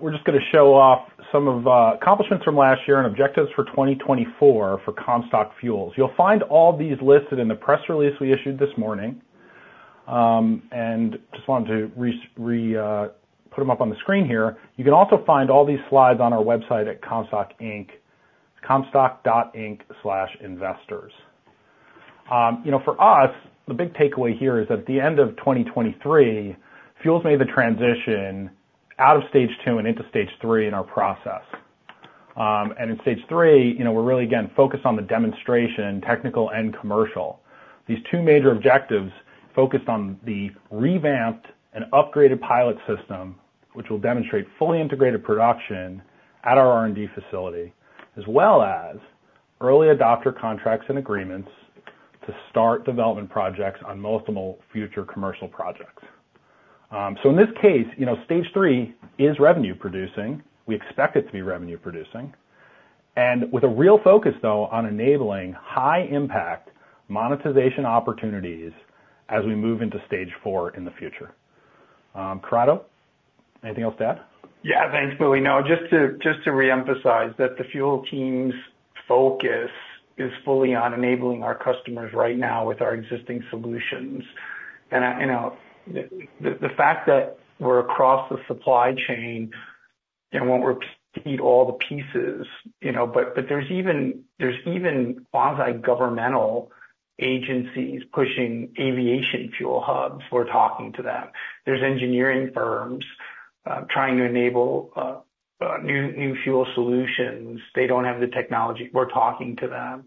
we're. Just going to show off some of accomplishments from last year and objectives for 2024 for Comstock Fuels. You'll find all these listed in the press release we issued this morning and just wanted to put them up on the screen here. You can also find all these slides on our website at comstock.inc/investors, you know, for us the big takeaway here is at the end of 2023, Fuels made the transition out of stage two and into stage three in our process. And in stage three we're really again focused on the demonstration technical and content commercial. These two major objectives focused on the revamped and upgraded pilot system which will demonstrate fully integrated production at our R&D facility, as well as early adopter contracts and agreements to start development projects on multiple future commercial projects. So in this case, stage three is revenue producing. We expect it to be revenue producing and with a real focus though, on enabling high impact monetization opportunities as we move into stage four in the future. Corrado, anything else to add? Yeah, thanks, Billy. No, just to reemphasize that the fuel team's focus is fully on enabling our customers right now with our existing solutions and the fact that we're across the supply chain. It won't repeat all the pieces, you know, but there's even quant governmental agencies pushing aviation fuel hubs. We're talking to them. There's engineering firms trying to enable new fuel solutions. They don't have the technology, we're talking to them,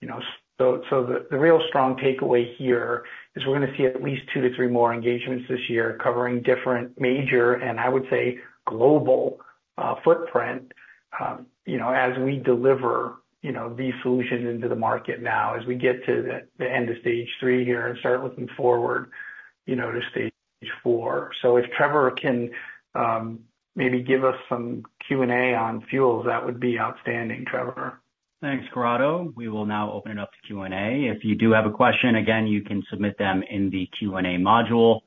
you know, so the real strong takeaway here is we're going to see at least 2-3 more engagements this year covering different major, and I would say global footprint, you know, as we deliver, you know, these solutions into the market now, as we get to the end of stage 3 here and start looking forward, you know, to stage 4. So if Trevor can maybe give us some Q and A on fuels, that would be outstanding, Trevor. Thanks, Corrado. We will now open it up to Q and A. If you do have a question again, you can submit them in the Q and A module.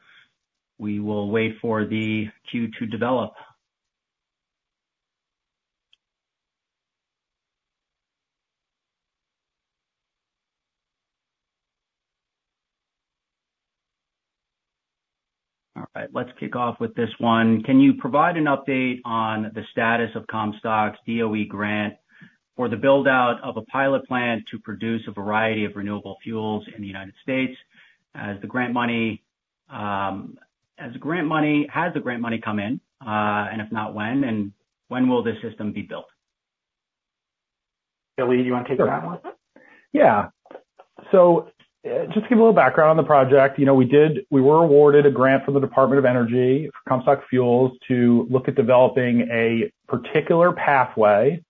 We will wait for the queue to develop. All right, let's kick off with this one. Can you provide an update on the status of Comstock's DOE grant for the build out of a pilot plant to produce a variety of renewable fuels in the United States? Has the grant money come in and if not, when? And when will this system be built? Billy, do you want to take that one? Yeah. Just to give a little background. On the project, you know, we did, we were awarded a grant from the Department of Energy, Comstock Fuels, to look at developing a particular pathway.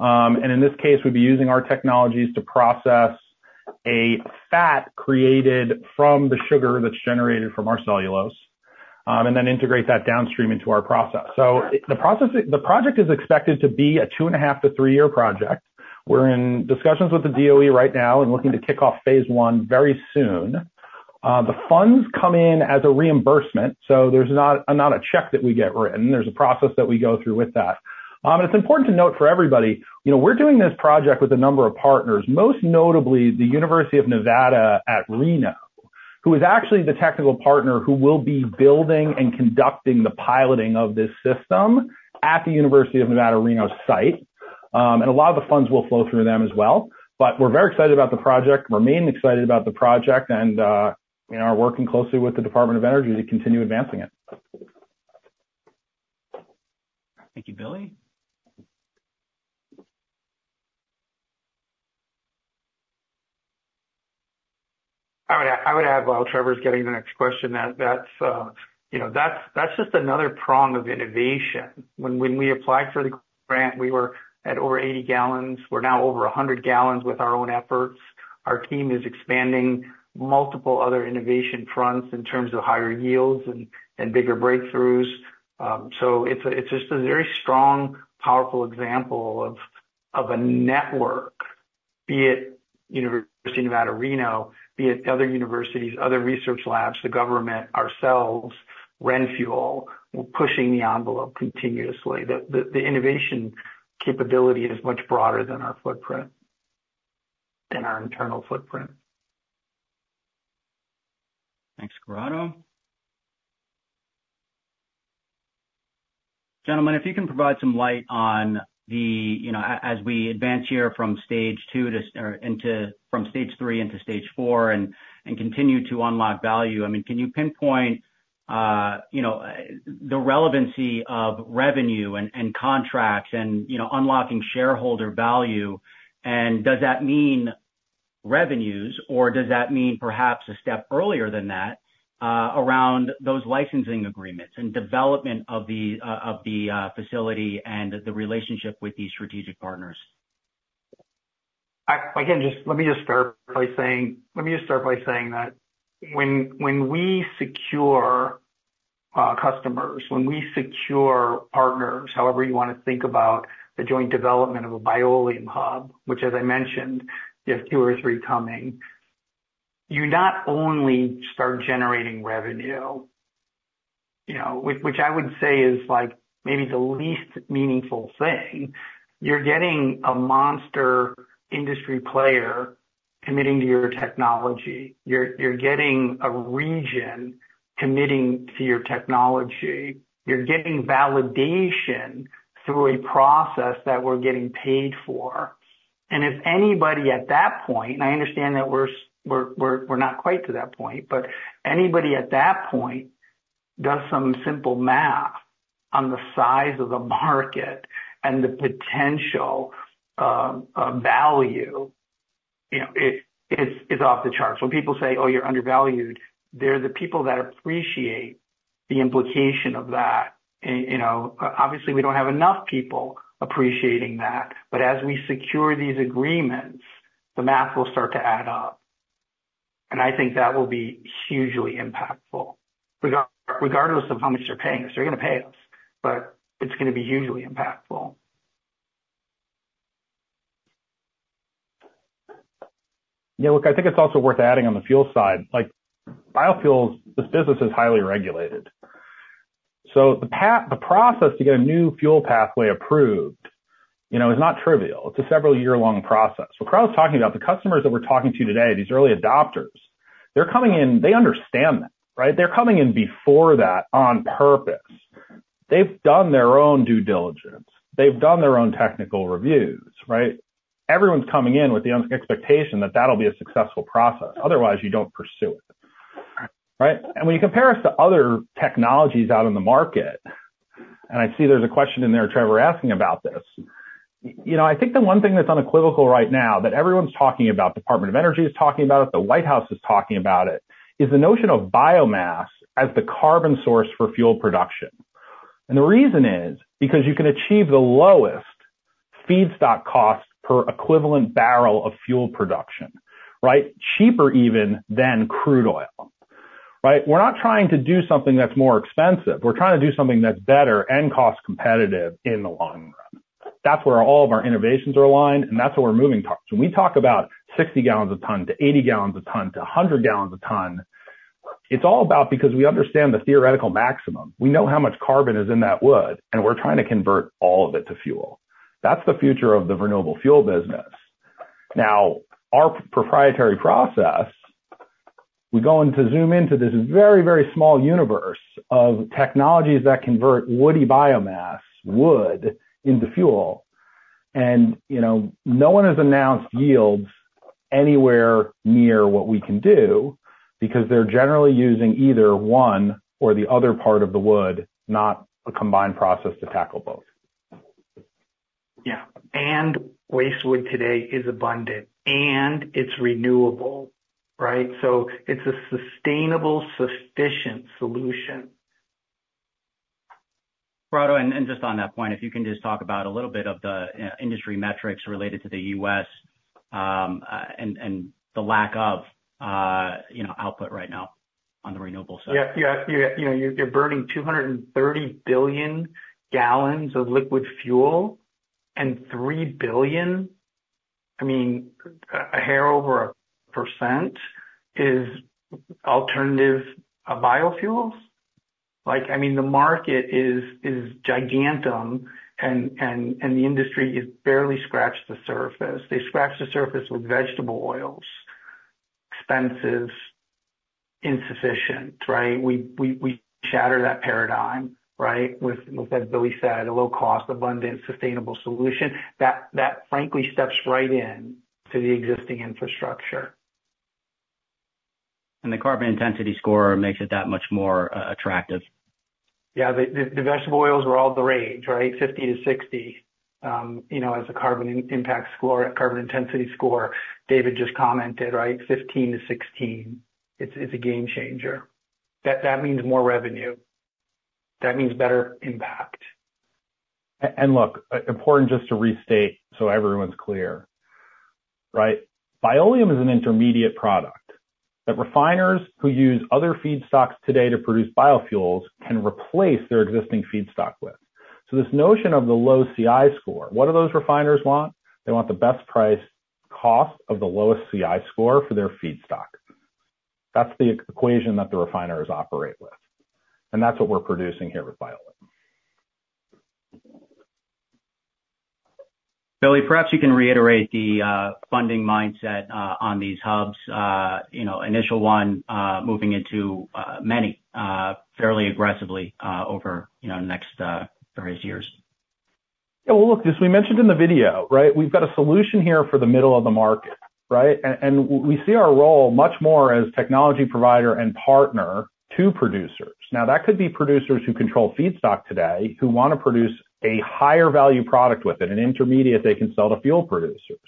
In this case we'd be using our technologies to process a fat created from the sugar that's generated from our cellulose and then integrate that downstream into our process. The process, the project is expected to be a 2.5- to 3-year project. We're in discussions with the DOE right now and looking to kick off phase one very soon. The funds come in as a reimbursement. There's not a check that we get written. There's a process that we go through with that. It's important to note for everybody, you know, we're doing this project with a number of partners, most notably the University of Nevada, Reno, who is actually the technical partner who will be building and conducting the piloting of this system at the University of Nevada, Reno site. A lot of the funds will flow through them as well. But we're very excited about the project, remain excited about the project, and are working closely with the Department of Energy to continue advancing it. Thank you, Billy. I would add, while Trevor's getting the next question, that's, you know, that's just another prong of innovation. When we applied for the grant, we were at over 80 gallons. We're now over 100 gallons. With our own efforts, our team is expanding multiple other innovation fronts in terms of higher yields and bigger breakthroughs. So it's just a very strong, powerful example of a network, be it University of Nevada, Reno, be it other universities, other research labs, the government, ourselves, RenFuel pushing the envelope continuously. The innovation capability is much broader than our footprint, than our internal footprint. Thanks, Corrado. Gentlemen, if you can provide some light on the, you know, as we advance here from stage two into from stage three into stage four and continue to unlock value, I mean, can you pinpoint, you know, the relevancy of revenue and contracts and, you know, unlocking shareholder value? And does that mean revenues or does that mean perhaps a step earlier than that around those licensing agreements and development of the facility and the relationship with these strategic partners? Let me just start by saying that when we secure customers, when we secure partners, however you want to think about the joint development of a Bioleum hub, we, which as I mentioned, you have two or three coming, you not only start generating revenue, you know, which I would say is like maybe the least meaningful thing, you're getting a monster industry player committing to your technology, you're getting a region committing to your technology, you're getting validation through a process that we're getting paid for. And if anybody at that point, and I understand that we're. We're not quite to that point, but anybody at that point does some simple math on the size of the market and the potential value, you know, it is off the charts when people say, oh, you're undervalued, they're the people that appreciate the implication of that. You know, obviously we don't have enough people appreciating that. But as we secure these agreements, the math will start to add up, and I think that will be hugely impactful. Regardless of how much they're paying us, they're going to pay us but it's going to be hugely impactful. Yeah, look, I think it's also worth adding on the fuel side, like biofuels, this business is highly regulated. So the process to get a new fuel pathway approved, you know, is not trivial. It's a several year long process. So Corrado's talking about, the customers that we're talking to today, these early adopters, they're coming in, they understand that. Right. They're coming in before that on purpose. They've done their own due diligence, they've done their own technical reviews. Right. Everyone's coming in with the expectation that that'll be a successful process, otherwise you don't pursue it. And when you compare us to other technologies out in the market, and I see there's a question in there, Trevor, asking about this. You know, I think the one thing that's unequivocal right now that everyone's talking about, Department of Energy is talking about it, the White House is talking about it, is the notion of biomass as the carbon source for fuel production. The reason is because you can achieve the lowest feedstock cost per equivalent barrel of fuel production. Right? Cheaper even than crude oil. Right. We're not trying to do something that's more expensive. We're trying to do something that's better and cost competitive in the long run. That's where all of our innovations are aligned and that's what we're moving towards. When we talk about 60 gallons a ton to 80 gallons a ton, to 100 gallons a ton, it's all about because we understand the theoretical maximum, we know how much carbon is in that wood and we're trying to convert all. Of it to fuel. That's the future of the renewable fuel business. Now, our proprietary process, we go into zoom into this very, very small universe of technologies that convert woody biomass wood into fuel. No one has announced yields anywhere near what we can do because they're generally using either one or the other part of the wood, not a combined process to tackle both. Yeah, and waste wood today is abundant and it's renewable. Right? It's a sustainable, sufficient solution. Just on that point, if you can just talk about a little bit of the industry metrics related to the U.S. and the lack of output right now on the renewable side. Yeah. You know, you're burning 230 billion gallons of liquid fuel and 3 billion, I mean, a hair over 1% is alternative biofuels. Like, I mean, the market is gargantuan and the industry is barely scratched the surface. They scratch the surface with vegetable oils expenses insufficient. Right. We shatter that paradigm, right, with, as Billy said, a low-cost, abundant, sustainable solution that frankly steps right in to the existing infrastructure. The carbon intensity score makes it that much more attractive. Yeah, the vegetable oils were all the rage, right? 50-60 as a carbon impact score, carbon intensity score. David just commented 15-16. It's a game changer. That means more revenue, that means better impact. And look important. Just to restate. So everyone's clear, right? Bioleum is an intermediate product that refiners who use other feedstocks today to produce biofuels can replace their existing feedstock with. So this notion of the low CI score, what are those refiners want? They want the best price cost of the lowest CI score for their feedstock. That's the equation that the refiners operate with. And that's what we're producing here with Bioleum. Billy, perhaps you can reiterate the funding mindset on these hubs. You know, initial one, moving into many fairly aggressively over, you know, next various years. Well, look, as we mentioned in the video, right? We've got a solution here for the middle of the market, right? And we see our role much more as technology provider and partner to producers. Now that could be producers who control feedstock today who want to produce a higher value product with it. An intermediate they can sell to fuel producers.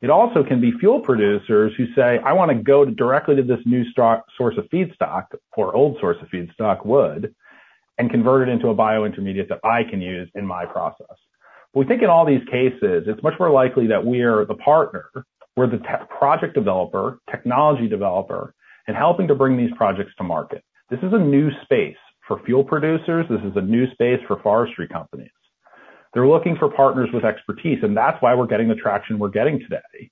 It also can be fuel producers who say, I want to go directly to this new stock source of feedstock or old source of feedstock, and convert it into a bio-intermediate that I can use in my process. We think in all these cases it's much more likely that we are the partner, we're the project developer, technology developer and helping to bring these projects to market. This is a new space for fuel producers. This is a new space for forestry companies. They're looking for partners with expertise. That's why we're getting the traction we're getting today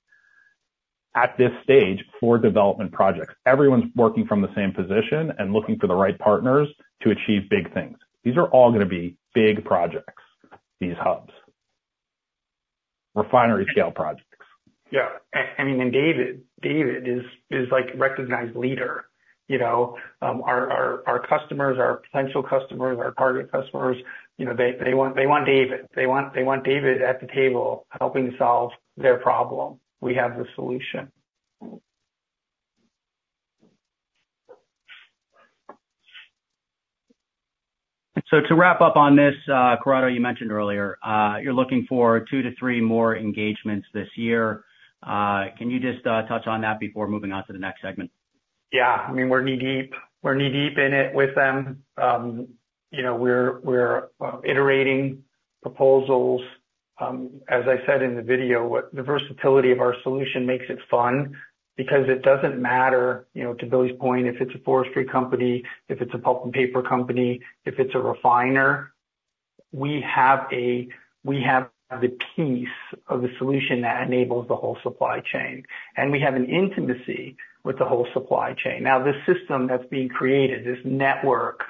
at this stage for development projects. Everyone's working from the same position and looking for the right partners to achieve big things. These are all going to be big projects, these hubs, refinery scale projects. Yeah, I mean, David is like recognized leader, you know, our customers, our potential customers, our target customers. You know, they want David at the table helping solve their problem. We have the solution. So to wrap up on this, Corrado, you mentioned earlier, you're looking for 2-3 more engagements this year. Can you just touch on that before moving on to the next segment? Yeah, I mean, we're knee deep, we're knee deep in it with them. You know, we're, we're iterating proposals, as I said in the video, what the versatility of our solution makes it fun because it doesn't matter, you know, to Billy's point, if it's a forestry company, if it's a pulp and paper company, if it's a refiner, we have a, we have the piece of the solution that enables the whole supply chain and we have an intimacy with the whole supply chain. Now this system that's being created, this network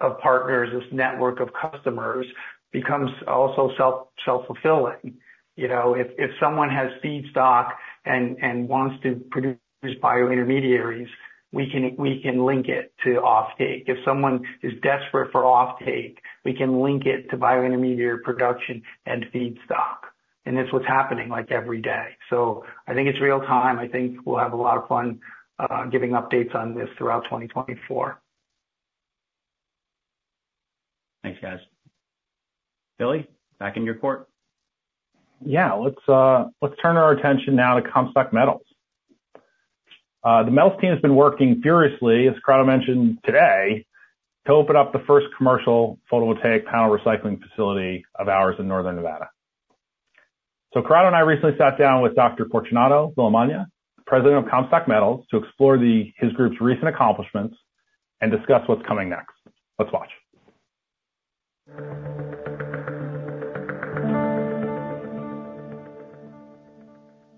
of partners, this network of customers, becomes also self, self fulfilling. You know, if someone has feedstock and wants to produce bio-intermediaries, we can, we can link it to offtake. If someone is desperate for offtake, we can link it to bio-intermediary production and feedstock. And that's what's happening like every day. I think it's real time. I think we'll have a lot of fun giving updates on this throughout 2024. Thanks, guys. Billy, back in your court. Yeah. Let's. Let's turn our attention now to Comstock Metals. The metals team has been working furiously as Corrado mentioned today to open up the first commercial photovoltaic panel recycling facility of ours in Northern Nevada. So Corrado and I recently sat down with Dr. Fortunato Villamagna, President of Comstock Metals, to explore his group's recent accomplishments, discuss what's coming next. Let's watch.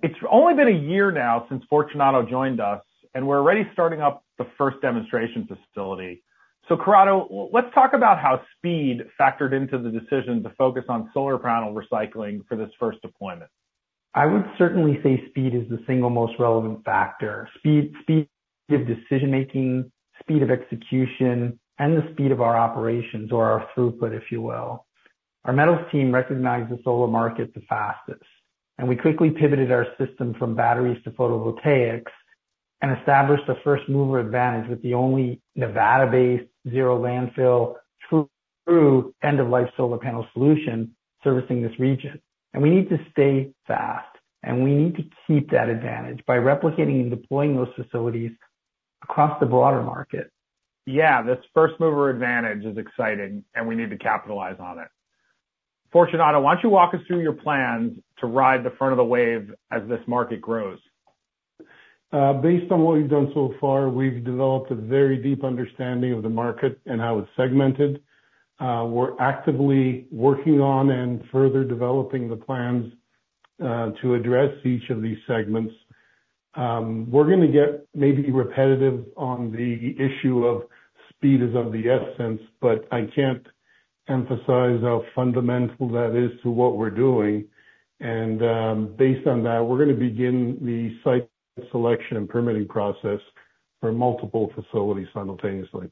It's only been a year now since Fortunato joined us and we're already starting up the first demonstration facility. So Corrado, let's talk about how speed factored into the decision to focus on solar panel recycling for this first deployment. I would certainly say speed is the single most relevant factor. Speed. Given decision making, speed of execution and the speed of our operations, or our throughput, if you will. Our Metals team recognized the solar market the fastest, and we quickly pivoted our system from batteries to photovoltaics and established the first mover advantage with the only Nevada-based zero-landfill through end-of-life solar panel solution servicing this region. We need to stay fast and we need to keep that advantage by replicating and deploying those facilities across the broader market. Yeah, this first mover advantage is exciting and we need to capitalize on it. Fortunato, why don't you walk us through your plans to ride the front of the wave as this market grows. Based on what we've done so far, we've developed a very deep understanding of the market and how it's segmented. We're actively working on and further developing the plans to address each of these segments. We're going to get maybe repetitive on the issue of speed is of the essence, but I can't emphasize how fundamental that is to what we're doing. Based on that, we're going to begin the site selection and permitting process for multiple facilities simultaneously.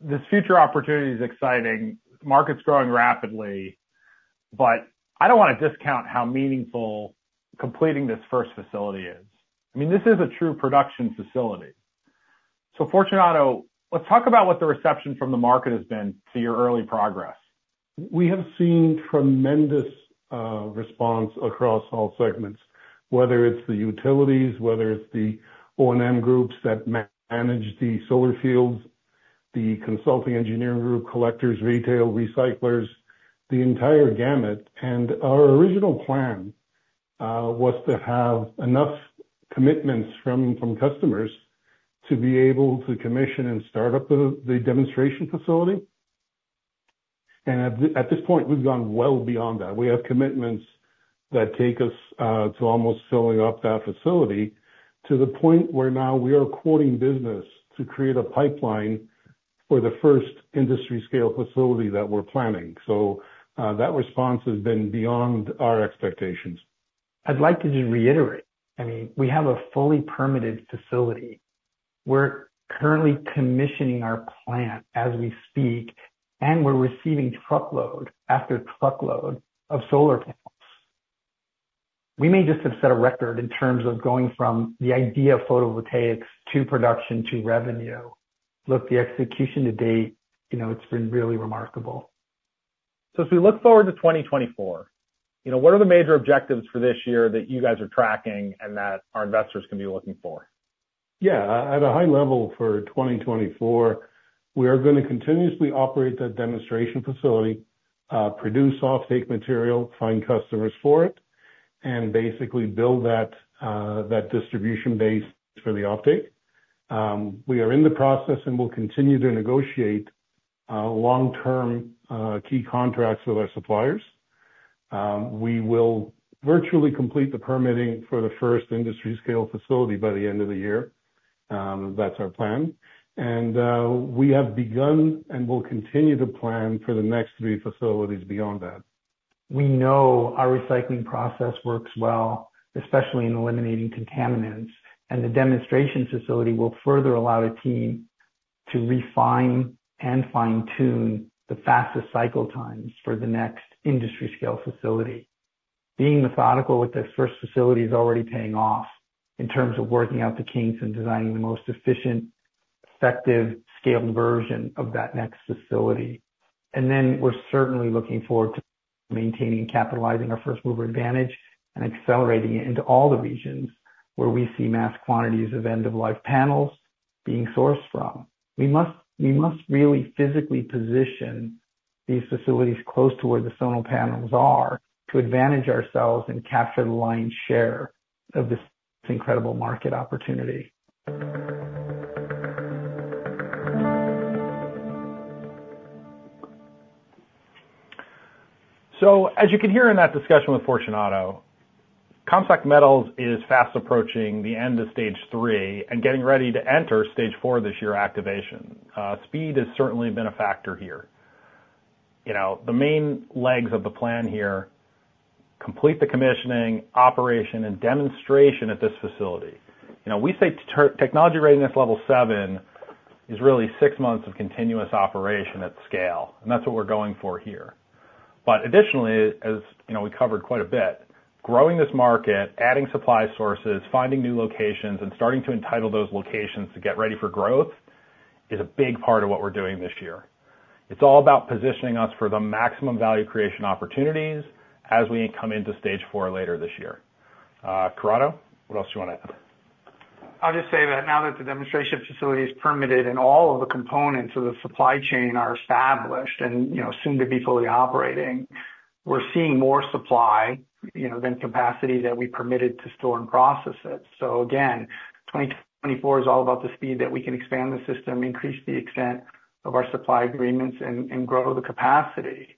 This future opportunity is exciting. Market's growing rapidly. But I don't want to discount how meaningful completing this first facility is. I mean, this is a true production facility. So, Fortunato, let's talk about what the reception from the market has been to your early progress. We have seen tremendous response across all segments, whether it's the utilities, whether it's the O&M groups that manage the solar fields, the consulting, engineering group, collectors, retail recyclers, the entire gamut. Our original plan was to have enough commitments from customers to be able to commission and start up the demonstration facility. At this point, we've gone well beyond that. We have commitments that take us to almost filling up that facility to the point where now we are quoting business to create a pipeline for the first industry scale facility that we're planning. That response has been beyond our expectations. I'd like to just reiterate. I mean, we have a fully permitted facility. We're currently commissioning our plant as we speak. And we're receiving truckload after truckload of solar panels. We may just have set a record in terms of going from the idea of photovoltaics to production to revenue. Look, the execution to date, you know, it's been really remarkable. As we look forward to 2024, you know, what are the major objectives for this year that you guys are tracking and that our investors can be looking for? Yeah, at a high level for 2024. We are going to continuously operate that demonstration facility, produce offtake material, find customers for it, and basically build that distribution base for the offtake. We are in the process and will continue to negotiate long-term key contracts with our suppliers. We will virtually complete the permitting for the first industry-scale facility by the end of the year. That's our plan. We have begun and will continue to plan for the next three facilities beyond that. We know our recycling process works well, especially in eliminating contaminants. The demonstration facility will further allow the team to refine and fine-tune the fastest cycle times for the next industry-scale facility. Being methodical with this first facility is already paying off in terms of working out the kinks and designing the most efficient, effective, scaled version of that next facility. Then we're certainly looking forward to maintaining and capitalizing our first-mover advantage and accelerating it into all the regions where we see mass quantities of end-of-life panels being sourced from. We must really physically position these facilities close to where the solar panels are to advantage ourselves and capture the lion's share of this incredible market opportunity. So as you can hear in that discussion with Fortunato, Comstock Metals is fast approaching the end of stage three and getting ready to enter stage four this year. Activation speed has certainly been a factor here. You know, the main legs of the plan here complete the commissioning, operation and demonstration at this facility. You know, we say technology readiness level seven is really six months of continuous operation at scale and that's what we're going for here. But additionally, as we covered quite a bit, growing this market, adding supply sources, finding new locations and starting to entitle those locations to get ready for growth is a big part of what we're doing this year. It's all about positioning us for the maximum value creation opportunities as we come into stage four later this year. Corrado, what else do you want to add? I'll just say that now that the demonstration facility is permitted and all of the components of the supply chain are established and you know, soon to be fully operating, we're seeing more supply, you know, than capacity that we permitted to store and process it. So again, 2024 is all about the speed that we can expand the system, increase the extent of our supply agreements and grow the capacity.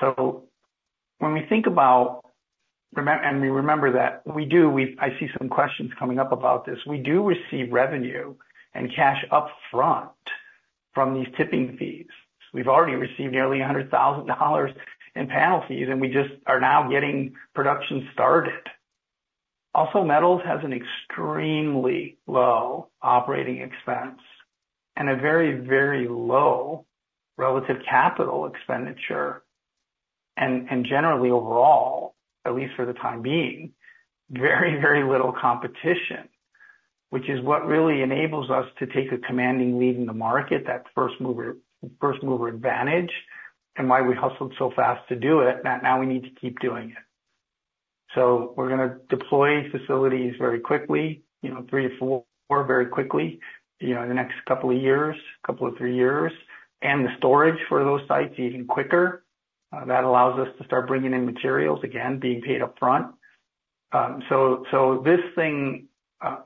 So when we think about, and we remember that we do. I see some questions coming up about this. We do receive revenue and cash up front from these tipping fees. We've already received nearly $100,000 in panel fees and we just are now getting production started. Also, Metals has an extremely low operating expense and a very, very low relative capital expenditure. Generally overall, at least for the time being, very, very little competition, which is what really enables us to take a commanding lead in the market. That first mover, first mover advantage and why we hustled so fast to do it that now we need to keep doing it. So we're going to deploy facilities very quickly, you know, three or four very quickly, you know, the next couple of years, couple of three years, and the storage for those sites even quicker. That allows us to start bringing in materials again, being paid up front. So this thing,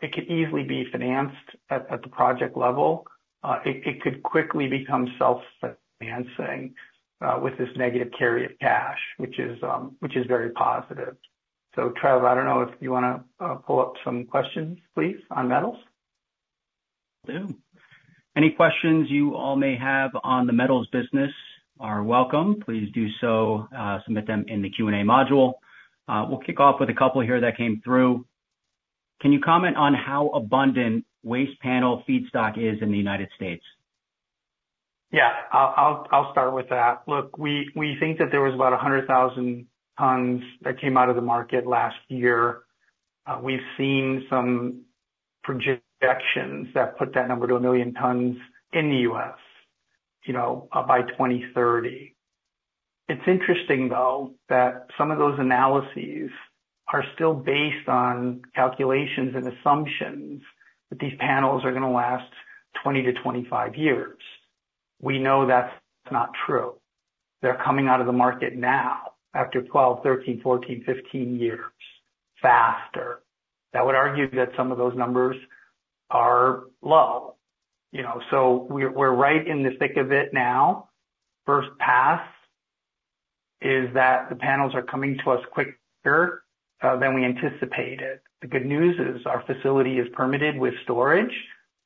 it could easily be financed at the project level. It could quickly become self financing with this negative carry of cash, which is very positive. So, Trev, I don't know if you want to pull up some questions, please, on metals. Any questions you all may have on the metals business are welcome. Please do so. Submit them in the Q and A module. We'll kick off with a couple here that came through. Can you comment on how abundant waste panel feedstock is in the United States? Yeah, I'll start with that. Look, we think that there was about 100,000 tons that came out of the market last year. We've seen some projections that put that number to 1 million tons in the U.S., you know, by 2030. It's interesting, though, that some of those analyses are still based on calculations and assumptions that these panels are going to last 20-25 years. We know that. Not true. They're coming out of the market now after 12, 13, 14, 15 years faster. That would argue that some of those numbers are low, you know, so we're right in the thick of it now. First pass is that the panels are coming to us quicker than we anticipated. The good news is our facility is permitted with storage.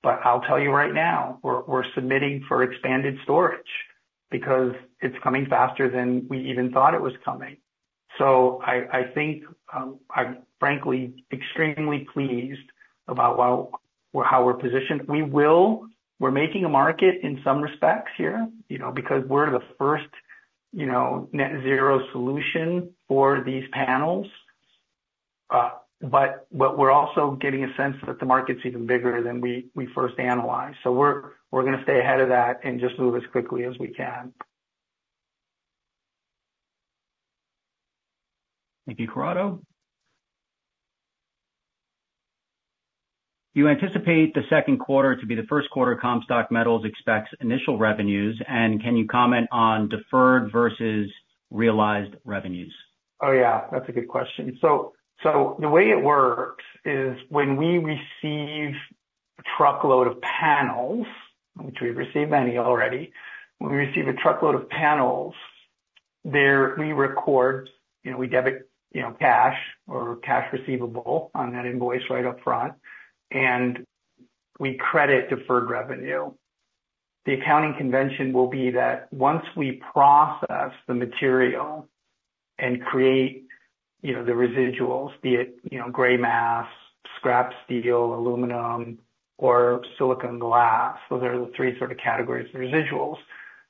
But I'll tell you right now, we're submitting for expanded storage because it's coming faster than we even thought it was coming. So I think. I'm frankly, extremely pleased about how we're positioned. We will. We're making a market in some respects here, you know, because we're the first, you know, net zero solution for these panels. But we're also getting a sense that the market's even bigger than we first analyzed. So we're going to stay ahead of that and just move as quickly as we can. Thank you, Corrado. You anticipate the second quarter to be the first quarter. Comstock Metals expects initial revenues. Can you comment on deferred versus realized revenues? Oh, yeah, that's a good question. So. The way it works is when we receive a truckload of panels, which we've received many already, when we receive a truckload of panels there, we record, you know, we debit, you know, cash or cash receivable on that invoice right up front, and we credit deferred revenue. The accounting convention will be that once we process the material and create, you know, the residuals, be it, you know, gray mass scrap, steel, aluminum or silicon, glass, those are the three sort of categories of residuals,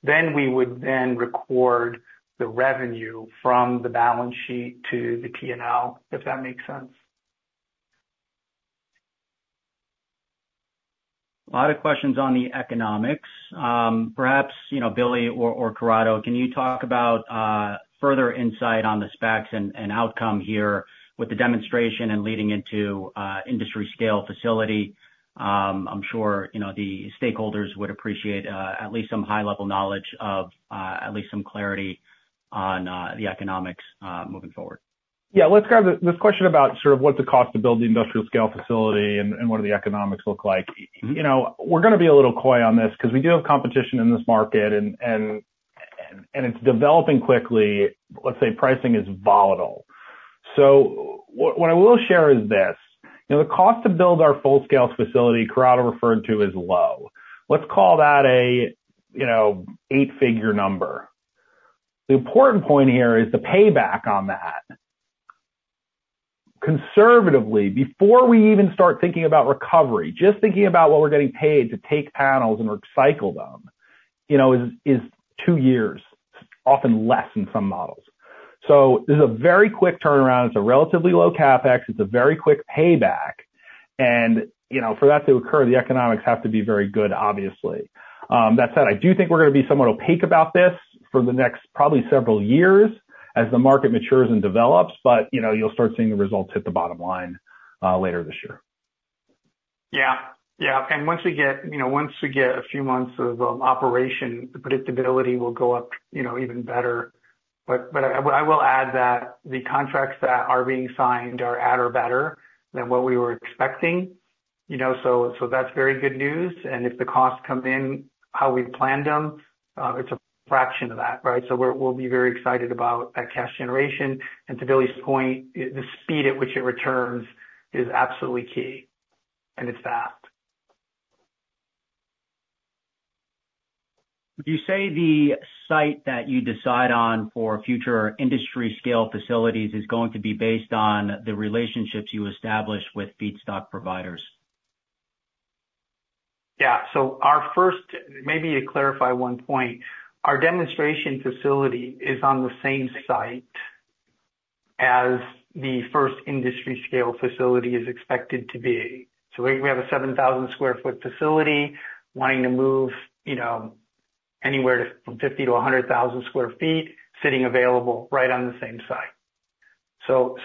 then we would then record the revenue from the balance sheet to the P&L, if that makes sense. A lot of questions on the economics, perhaps, you know, Billy or Corrado, can you talk about further insight on the specs and outcome here with the demonstration and leading into industry scale facility? I'm sure you know the stakeholders would appreciate at least some high level knowledge of at least some clarity on the economics moving forward. Yeah, let's grab this question about sort of what's the cost to build the industrial scale facility and what do the economics look like? You know, we're going to be a little coy on this because we do have competition in this market and it's developing quickly. Let's say pricing is volatile. So what I will share is this, the cost to build our full scale facility, Corrado referred to as low, let's call that an eight figure number. The important point here is the payback on that conservatively, before we even start thinking about recovery, just thinking about what we're getting paid to take panels and recycle them is two years, often less in some models. So this is a very quick turnaround, it's a relatively low CapEx. It's a very quick payback and for that to occur the economics have to be very good. Obviously. That said, I do think we're going to be somewhat opaque about this for the next probably several years as the market matures and develops. But you know, you'll start seeing the results hit the bottom line later this year. Yeah, yeah. And once we get, you know, once we get a few months of operation, the predictability will go up, you know, even better. But I will add that the contracts that are being signed are at or better than what we were expecting. You know, so that's very good news. And if the costs come in how we planned them, it's a fraction of that. Right. So we'll be very excited about that cash generation and to Billy's point, the speed at which it returns is absolutely key and it's fast. You say the site that you decide on for future industry scale facilities is going to be based on the relationships you establish with feedstock providers. Yeah. So our first, maybe to clarify one point, our demonstration facility is on the same site as the first industry scale facility is expected to be. So we have a 7,000 sq ft facility wanting to move, you know, anywhere from 50 sq ft-100,000 sq ft sitting available right on the same site. So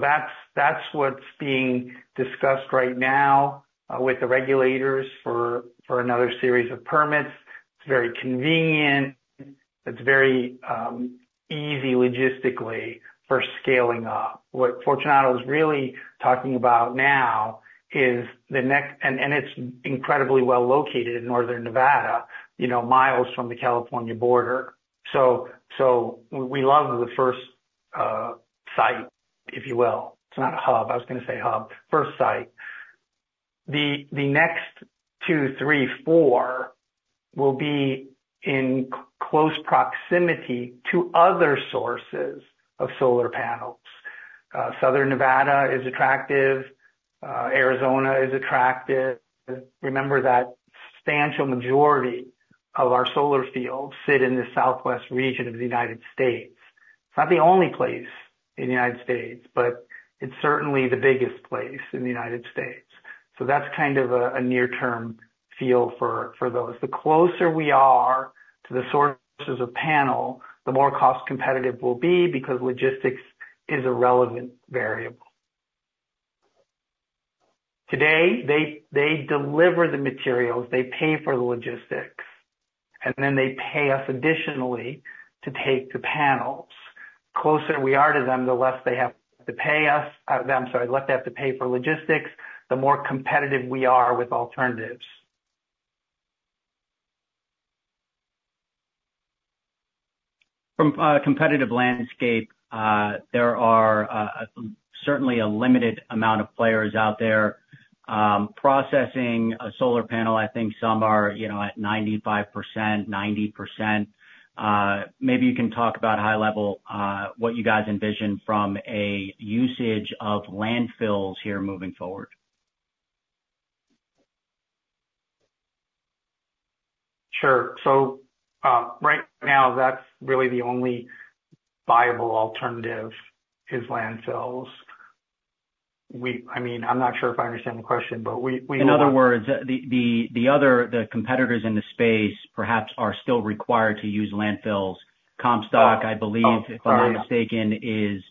that's what's being discussed right now with the regulators for, for another series of permits. It's very convenient, it's very easy logistically for scaling up. What Fortunato is really talking about now is the next and it's incredibly well located in Northern Nevada, you know, miles from the California border. So. So we love the first site, if you will. It's not a hub. I was going to say hub first site. The next two, three, four, will be in close proximity to other sources of solar panels. Southern Nevada is attractive. Arizona is attractive. Remember that substantial majority of our solar fields sit in the Southwest region of the United States. Not the only place in the United States, but it's certainly the biggest place in the United States. So that's kind of a near term feel for those. The closer we are to the sources of panels, the more cost competitive we will be because logistics is a relevant variable. Today. They deliver the materials, they pay for the logistics, and then they pay us additionally to take the panels closer we are to them. The less they have to pay us. I'm sorry, less they have to pay for logistics, the more competitive we are with alternatives. From competitive landscape. There are certainly a limited amount of players out there processing a solar panel. I think some are, you know, at 95%. 90%. Maybe you can talk about high level. What you guys envision from a usage of landfills here moving forward. Sure. Right now that's really the only viable alternative is landfills. We, I mean, I'm not sure if I understand the question, but in other. The competitors in the space perhaps are still required to use landfills. Comstock, I believe, if I'm not mistaken, is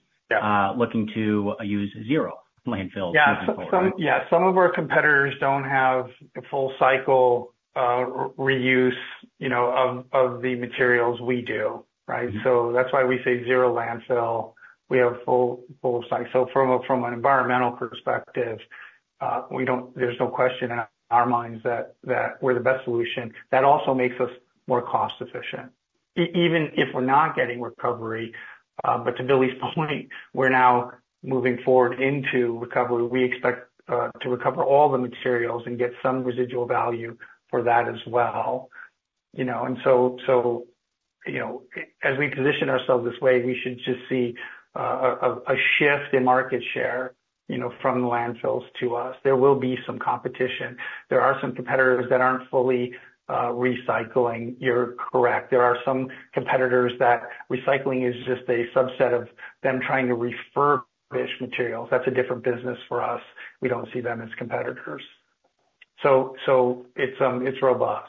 looking to use zero landfills. Yeah, yeah. Some of our competitors don't have a full cycle reuse, you know, of the materials we do. Right. So that's why we say zero landfill. We have full size. So from an environmental perspective, we don't. There's no question in our minds that we're the best solution. That also makes us more cost efficient, even if we're not getting recovery. But to Billy's point, we're now moving forward into recovery. We expect to recover all the materials and get some residual value for that as well, you know, and so, you know, as we position ourselves this way, we should just see a shift in market share, you know, from the landfills to us. There will be some competition. There are some competitors that aren't fully recycling. You're correct. There are some competitors that recycling is just a subset of them trying to refurbish materials. That's a different business for us. We don't see them as competitors. So it's robust.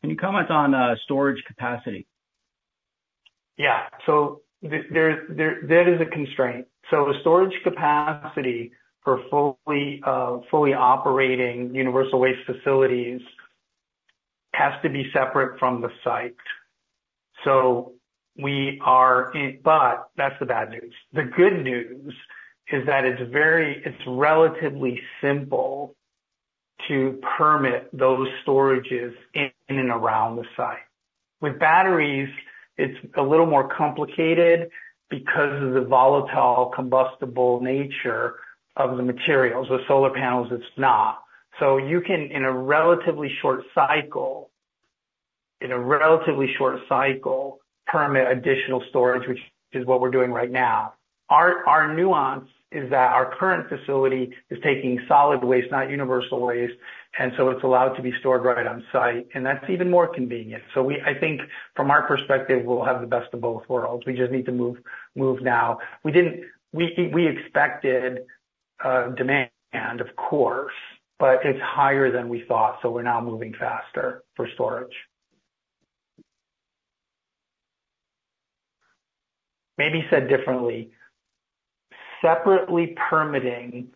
Can you comment on storage capacity? Yeah. So there, there. That is a constraint. So the storage capacity for fully, fully operating Universal Waste facilities has to be separate from the site. So we are. But that's the bad news. The good news is that it's very, it's relatively simple to permit those storages in and around the site with batteries. It's a little more complicated because of the volatile, combustible nature of the materials. With solar panels it's not. So you can, in a relatively short cycle, in a relatively short cycle, permit additional storage, which is what we're doing right now. Our, our nuance is that our current facility is taking solid waste, not Universal Waste, and so it's allowed to be stored right on site and that's even more convenient. So we, I think from our perspective, we'll have the best of both worlds. We just need to move, move. Now we didn't. We expected demand and, of course, but it's higher than we thought. So we're now moving faster for storage. Maybe said differently: separately, permitting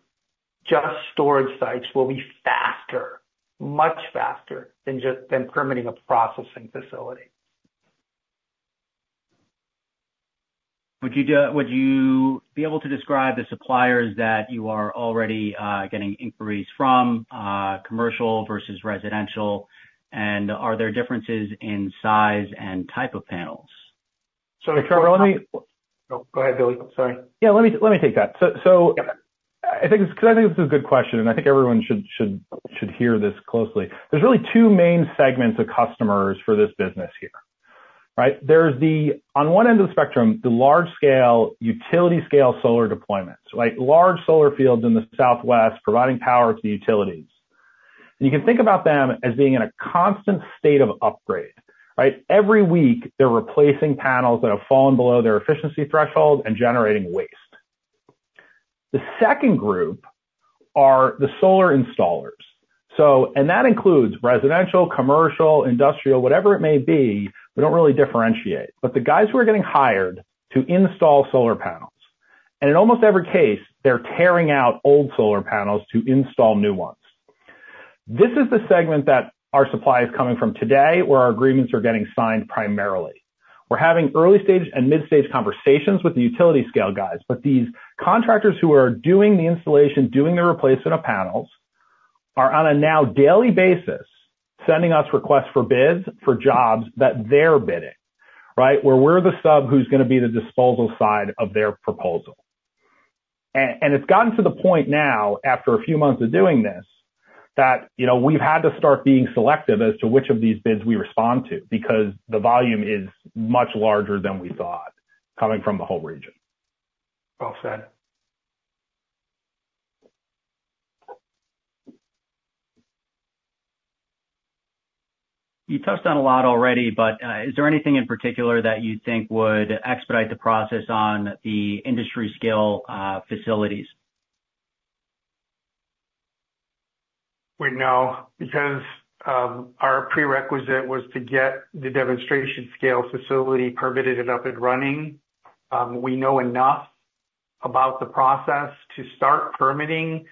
just storage sites will be faster, much faster than just permitting a processing facility. Would you be able to describe the suppliers that you are already getting inquiries from, commercial versus residential? And are there differences in size and type of panels? Sorry, Trevor, let me. Go ahead, Billy, sorry. Yeah, let me take that. I think this is a good. Question, and I think everyone should hear this closely. There's really two main segments of customers for this business here, right? There's the, on one end of the spectrum, the large scale utility scale solar deployments, right? Large solar fields in the Southwest providing power to utilities. You can think about them as being in a constant state of upgrade, right? Every week they're replacing panels that have fallen below their efficiency threshold and generating waste. The second group are the solar installers and that includes residential, commercial, industrial, whatever it may be. We don't really differentiate, but the guys who are getting hired to install solar panels, and in almost every case they're tearing out old solar panels to install new ones. This is the segment that our supply is coming from today where our agreements are getting signed. Primarily we're having early stage and mid stage conversations with the utility scale guys. But these contractors who are doing the installation, doing the replacement of panels are on a now daily basis sending us requests for bids for jobs that they're bidding, right? Where we're the sub who's going to be the disposal side of their proposal. And it's gotten to the point now after a few months of doing this that, you know, we've had to start being selective as to which of these bids we respond to because the volume is much larger than we thought coming from the whole region. Well said. You touched on a lot already. But is there anything in particular that you think would expedite the process on the industry scale facilities? Wait, no, because our prerequisite was to get the demonstration scale facility permitted and up and running. We know enough about the process to start permitting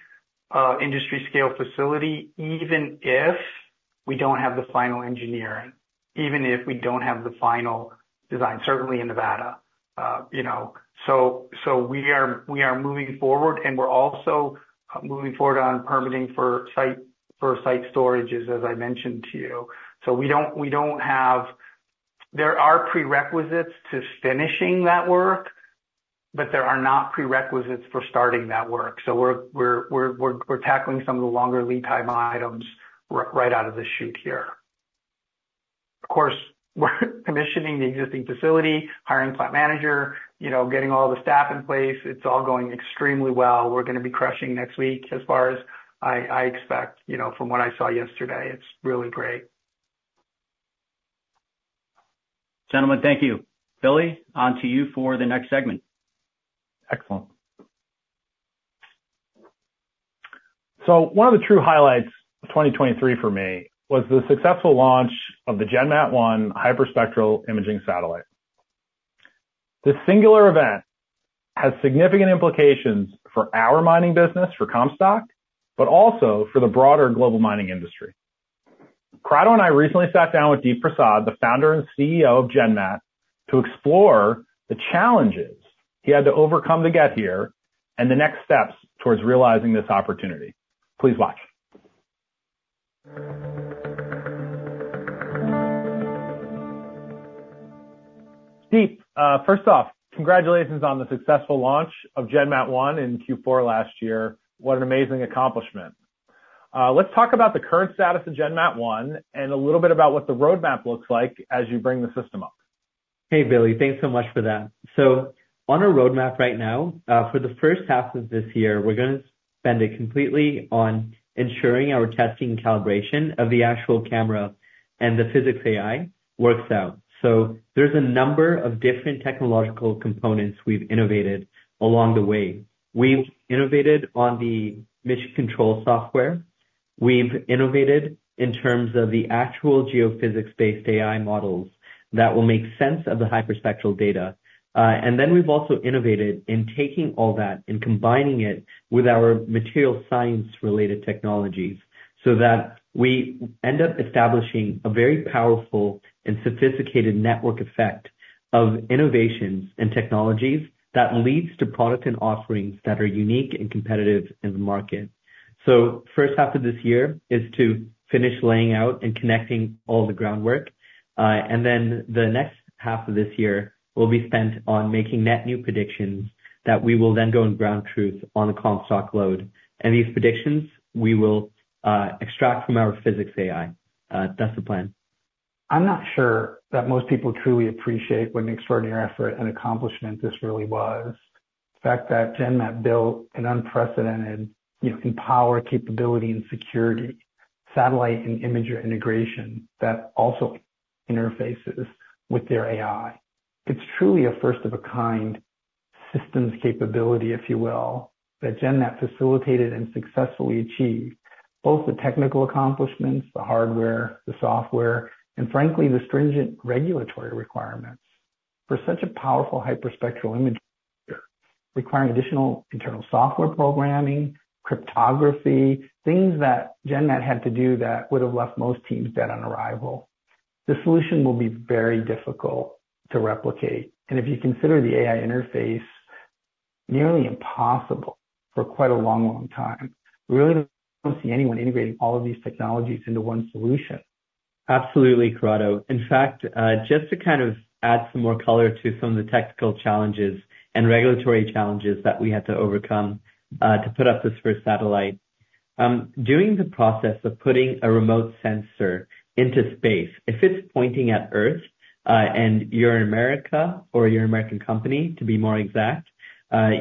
industry scale facility even if we don't have the final engineering, even if we don't have the final design, certainly in Nevada, you know. So we are, we are moving forward and we're also moving forward on permitting for site, for site storages as I mentioned to you. So we don't, we don't have, there are prerequisites to finishing that work, but there are not prerequisites for starting that work. So we're tackling some of the longer lead time items right out of the chute here. Of course, we're commissioning the existing facility, hiring plant manager, you know, getting all the staff in place. It's all going extremely well. We're going to be crushing next week, as far as I expect, you know, from what I saw yesterday, it's really great. Gentlemen, thank you. Billy, on to you for the next segment. Excellent. So one of the true highlights of 2023 for me was the successful launch of the GenMat-1 hyperspectral imaging satellite. This singular event has significant implications for our mining business for Comstock, but also for the broader global mining industry. Corrado and I recently sat down with Deep Prasad, the founder and CEO of GenMat, to explore the challenges he had to overcome to get here and the next steps towards realizing this opportunity. Please watch. Deep, first off, congratulations on the successful launch of GenMat-1 in Q4 last year. What an amazing accomplishment. Let's talk about the current status of GenMat-1 and a little bit about what the roadmap looks like as you bring the system up. Hey Billy, thanks so much for that. So on our roadmap right now for the first half of this year, we're going to spend it completely on ensuring our testing calibration of the actual camera and the Physics AI works out. So there's a number of different technological components we've innovated along the way. We've innovated on the mission control software, we've innovated in terms of the actual geophysics based AI models that will make sense of the hyperspectral data. And then we've also innovated in taking all that and combining it with our material science related technologies so that we end up establishing a very powerful and sophisticated network effect of innovations and technologies that leads to product and offerings that are unique and competitive in the market. First half of this year is to finish laying out and connecting all the groundwork and then the next half of this year will be spent on making net new predictions that we will then go in ground truth on the Comstock Lode and these predictions we will extract from our Physics AI. That's the plan. I'm not sure that most people truly appreciate what an extraordinary effort and accomplishment this really was. The fact that GenMat built an unprecedented empower capability and security, satellite and imager integration that also interfaces with their AI. It's truly a first of a kind systems capability, if you will, that GenMat that facilitated and successfully achieved both the technical accomplishments, the hardware, the software, and frankly the stringent regulatory requirements for such a powerful hyperspectral image requiring additional internal software, programming, cryptography, things that GenMat had to do that would have left most teams dead on arrival. The solution will be very difficult to replicate and if you consider the AI interface nearly impossible for quite a long, long time, we really don't see anyone integrating all of these technologies into one solution. Absolutely, Corrado. In fact, just to kind of add some more color to some of the technical challenges and regulatory challenges that we had to overcome to put up this first satellite, during the process of putting a remote sensor into space, if it's pointing at Earth and you're in America, or your American company to be more exact,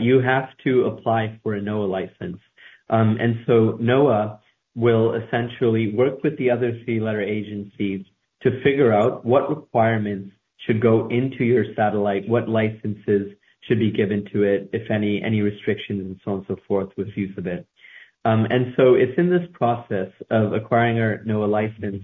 you have to apply for a NOAA license. NOAA will essentially work with the other three letter agencies to figure out what requirements should go into your satellite, what licenses should be given to it, if any restrictions, and so on and so forth with use of it. It's in this process of acquiring our NOAA license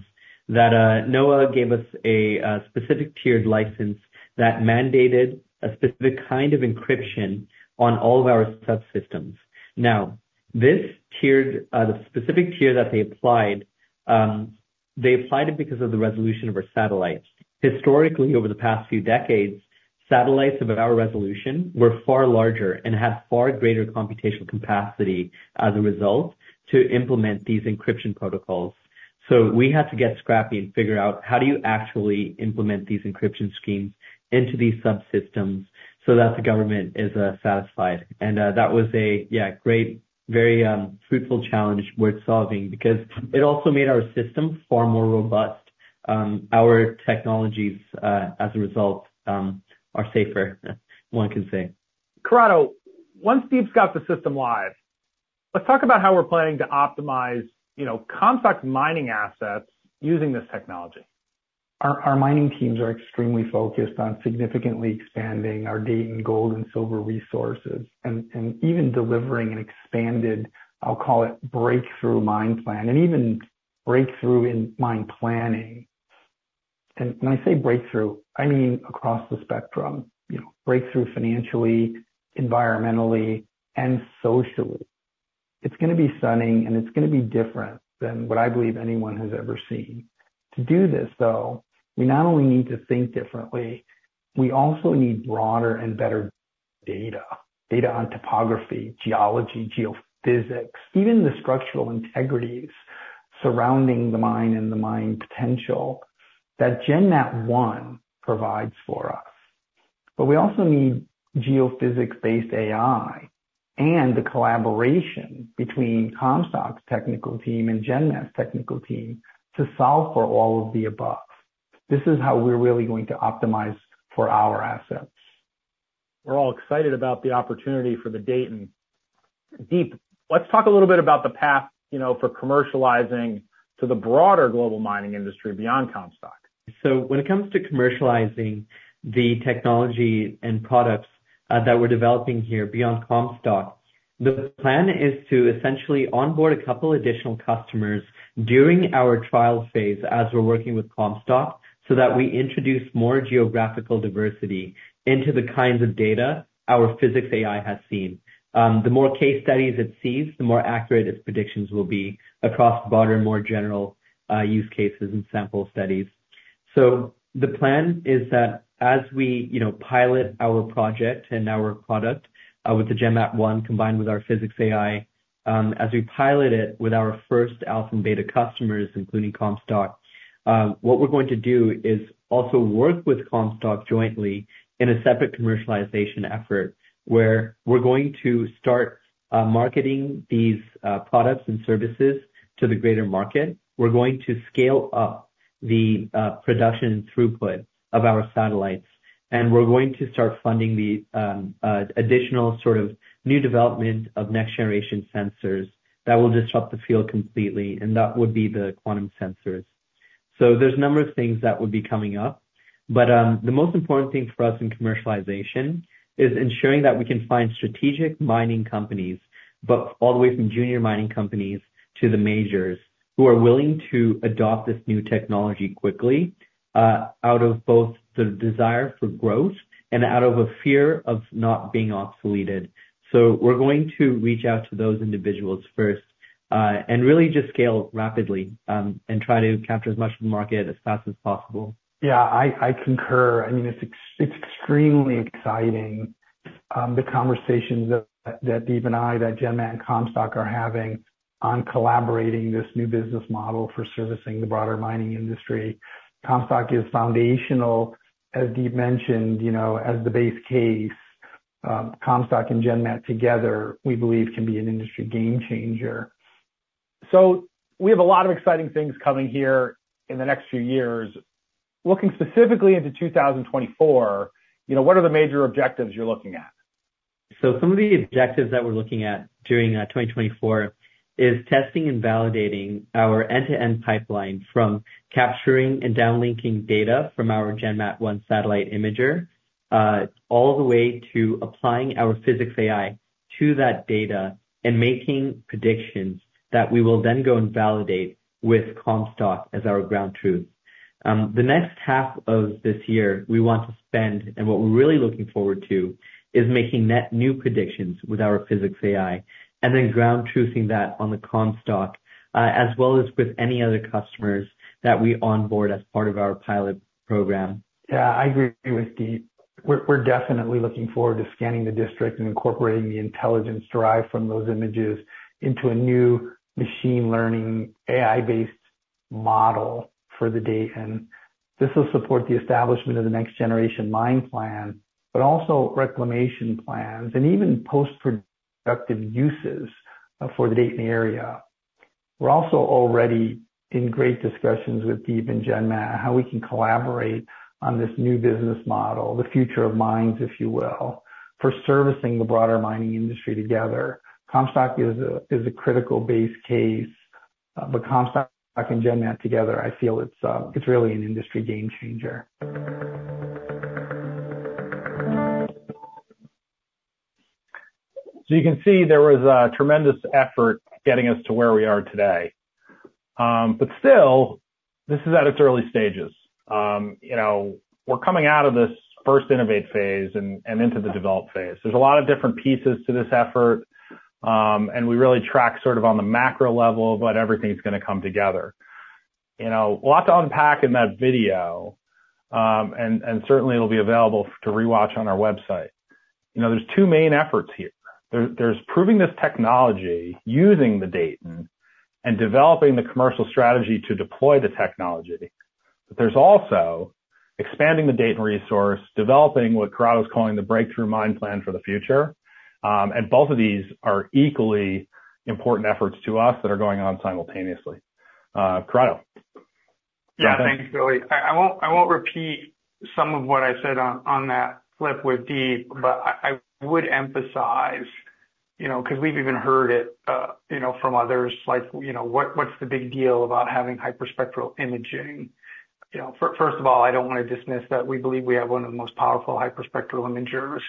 that NOAA gave us a specific tiered license that mandated a specific kind of encryption on all of our subsystems. Now, this tiered, the specific tier that they applied. They applied it because of the resolution of our satellites historically. Over the past few decades, satellites of our resolution were far larger and had far greater computational capacity as a result to implement these encryption protocols. So we had to get scrappy and figure out how do you actually implement these encryption schemes into these subsystems so that the government is satisfied. And that was a, yeah, great, very fruitful challenge worth solving because it also made our system far more robust. Our technologies as a result are safer, one can say. Corrado, once Deep's got the system live, let's talk about how we're planning to optimize Comstock Mining assets using this technology. Our mining teams are extremely focused on significantly expanding our Dayton gold and silver resources and even delivering an expanded, I'll call it breakthrough mine plan and even breakthrough in mine planning. When I say breakthrough, I mean across the spectrum, you know, breakthrough financially, environmentally, and socially. It's going to be stunning and it's going to be different than what I believe anyone has ever seen. To do this though, we not only need to think differently, we also need broader and better data. Data on topography, geology, geophysics, even the structural integrity surrounding the mine and the mine potential that GenMat-1 provides for us. But we also need geophysics-based AI and the collaboration between Comstock's technical team and GenMat's technical team to solve for all of the above. This is how we're really going to optimize for our assets. We're all excited about the opportunity for the Dayton Deep. Let's talk a little bit about the path for commercializing to the broader global mining industry beyond Comstock. So when it comes to commercializing the technology and products that we're developing here beyond Comstock, the plan is to essentially onboard a couple additional customers during our trial phase as we're working with Comstock, so that we introduce more geographical diversity into the kinds of data our Physics AI has seen. The more case studies it sees, the more accurate its predictions will be across broader, more general use cases and sample studies. So the plan is that as we pilot our project and our product with the GenMat-1, combined with our Physics AI as we pilot it with our first alpha and beta customers, including Comstock, what we're going to do is also work with Comstock jointly in a separate commercialization effort where we're going to start marketing these products and services to the greater market. We're going to scale up the production and throughput of our satellites and we're going to start funding the additional sort of new development of next generation sensors that will disrupt the field completely, and that would be the quantum sensors. So there's a number of things that would be coming up. But the most important thing for us in commercialization is ensuring that we can find strategic mining companies, but all the way from junior mining companies to the majors who are willing to adopt this new technology quickly out of both the desire for growth and out of a fear of not being obsoleted. So we're going to reach out to those individuals first and really just scale rapidly and try to capture as much of the market as fast as possible. Yeah, I concur. I mean it's extremely exciting the conversations that Deep and I, GenMat and Comstock are having on collaborating this new business model for servicing the broader mining industry. Comstock is foundational, as Deep mentioned, you know, as the base case. Comstock and GenMat together we believe can be an industry game changer. So we have a lot of exciting. Things coming here in the next few years. Looking specifically into 2024, you know, what are the major objectives you're looking at? Some of the objectives that we're looking at during 2024 is testing and validating our end-to-end pipeline from capturing and downlinking data from our GenMat-1 satellite imager all the way to applying our Physics AI to that data and making predictions that we will then go and validate with Comstock as our ground truth the next half of this year. We want to spend and what we're really looking forward to is making net new predictions with our Physics AI and then ground truthing that on the Comstock as well as with any other customers that we onboard as part of our pilot program. Yeah, I agree with Deep. We're definitely looking forward to scanning the district and incorporating the intelligence derived from those images into a new machine learning AI based model for the Dayton. This will support the establishment of the next generation mine plan, but also reclamation plans and even post productive uses for the Dayton area. We're also already in great discussions with Deep and GenMat how we can collaborate on this new business model, the future of mines if you will, for servicing the broader mining industry together. Comstock is a critical base case but Comstock and GenMat together I feel it's really an industry game changer. So you can see there was a tremendous effort getting us to where we are today, but still this is at its early stages. We're coming out of this first innovate phase and into the develop phase. There's a lot of different pieces to this effort and we really track sort of on the macro level, but everything's going to come together. A lot to unpack in that video and certainly it'll be available to rewatch on our website. There's two main efforts here. There's proving this technology using the Dayton and developing the commercial strategy to deploy the technology. But there's also expanding the Dayton resource, developing what Corrado is calling the breakthrough mine plan for the future. And both of these are equally important efforts to us that are going on simultaneously. Corrado? Yeah. Thanks, Billy. I won't repeat some of what I said on that flip with Deep, but I would emphasize, you know, because we've even heard it, you know, from others like, you know, what's the big deal about having hyperspectral imaging? You know, first of all, I don't want to dismiss that we believe we have one of the most powerful hyperspectral imagers,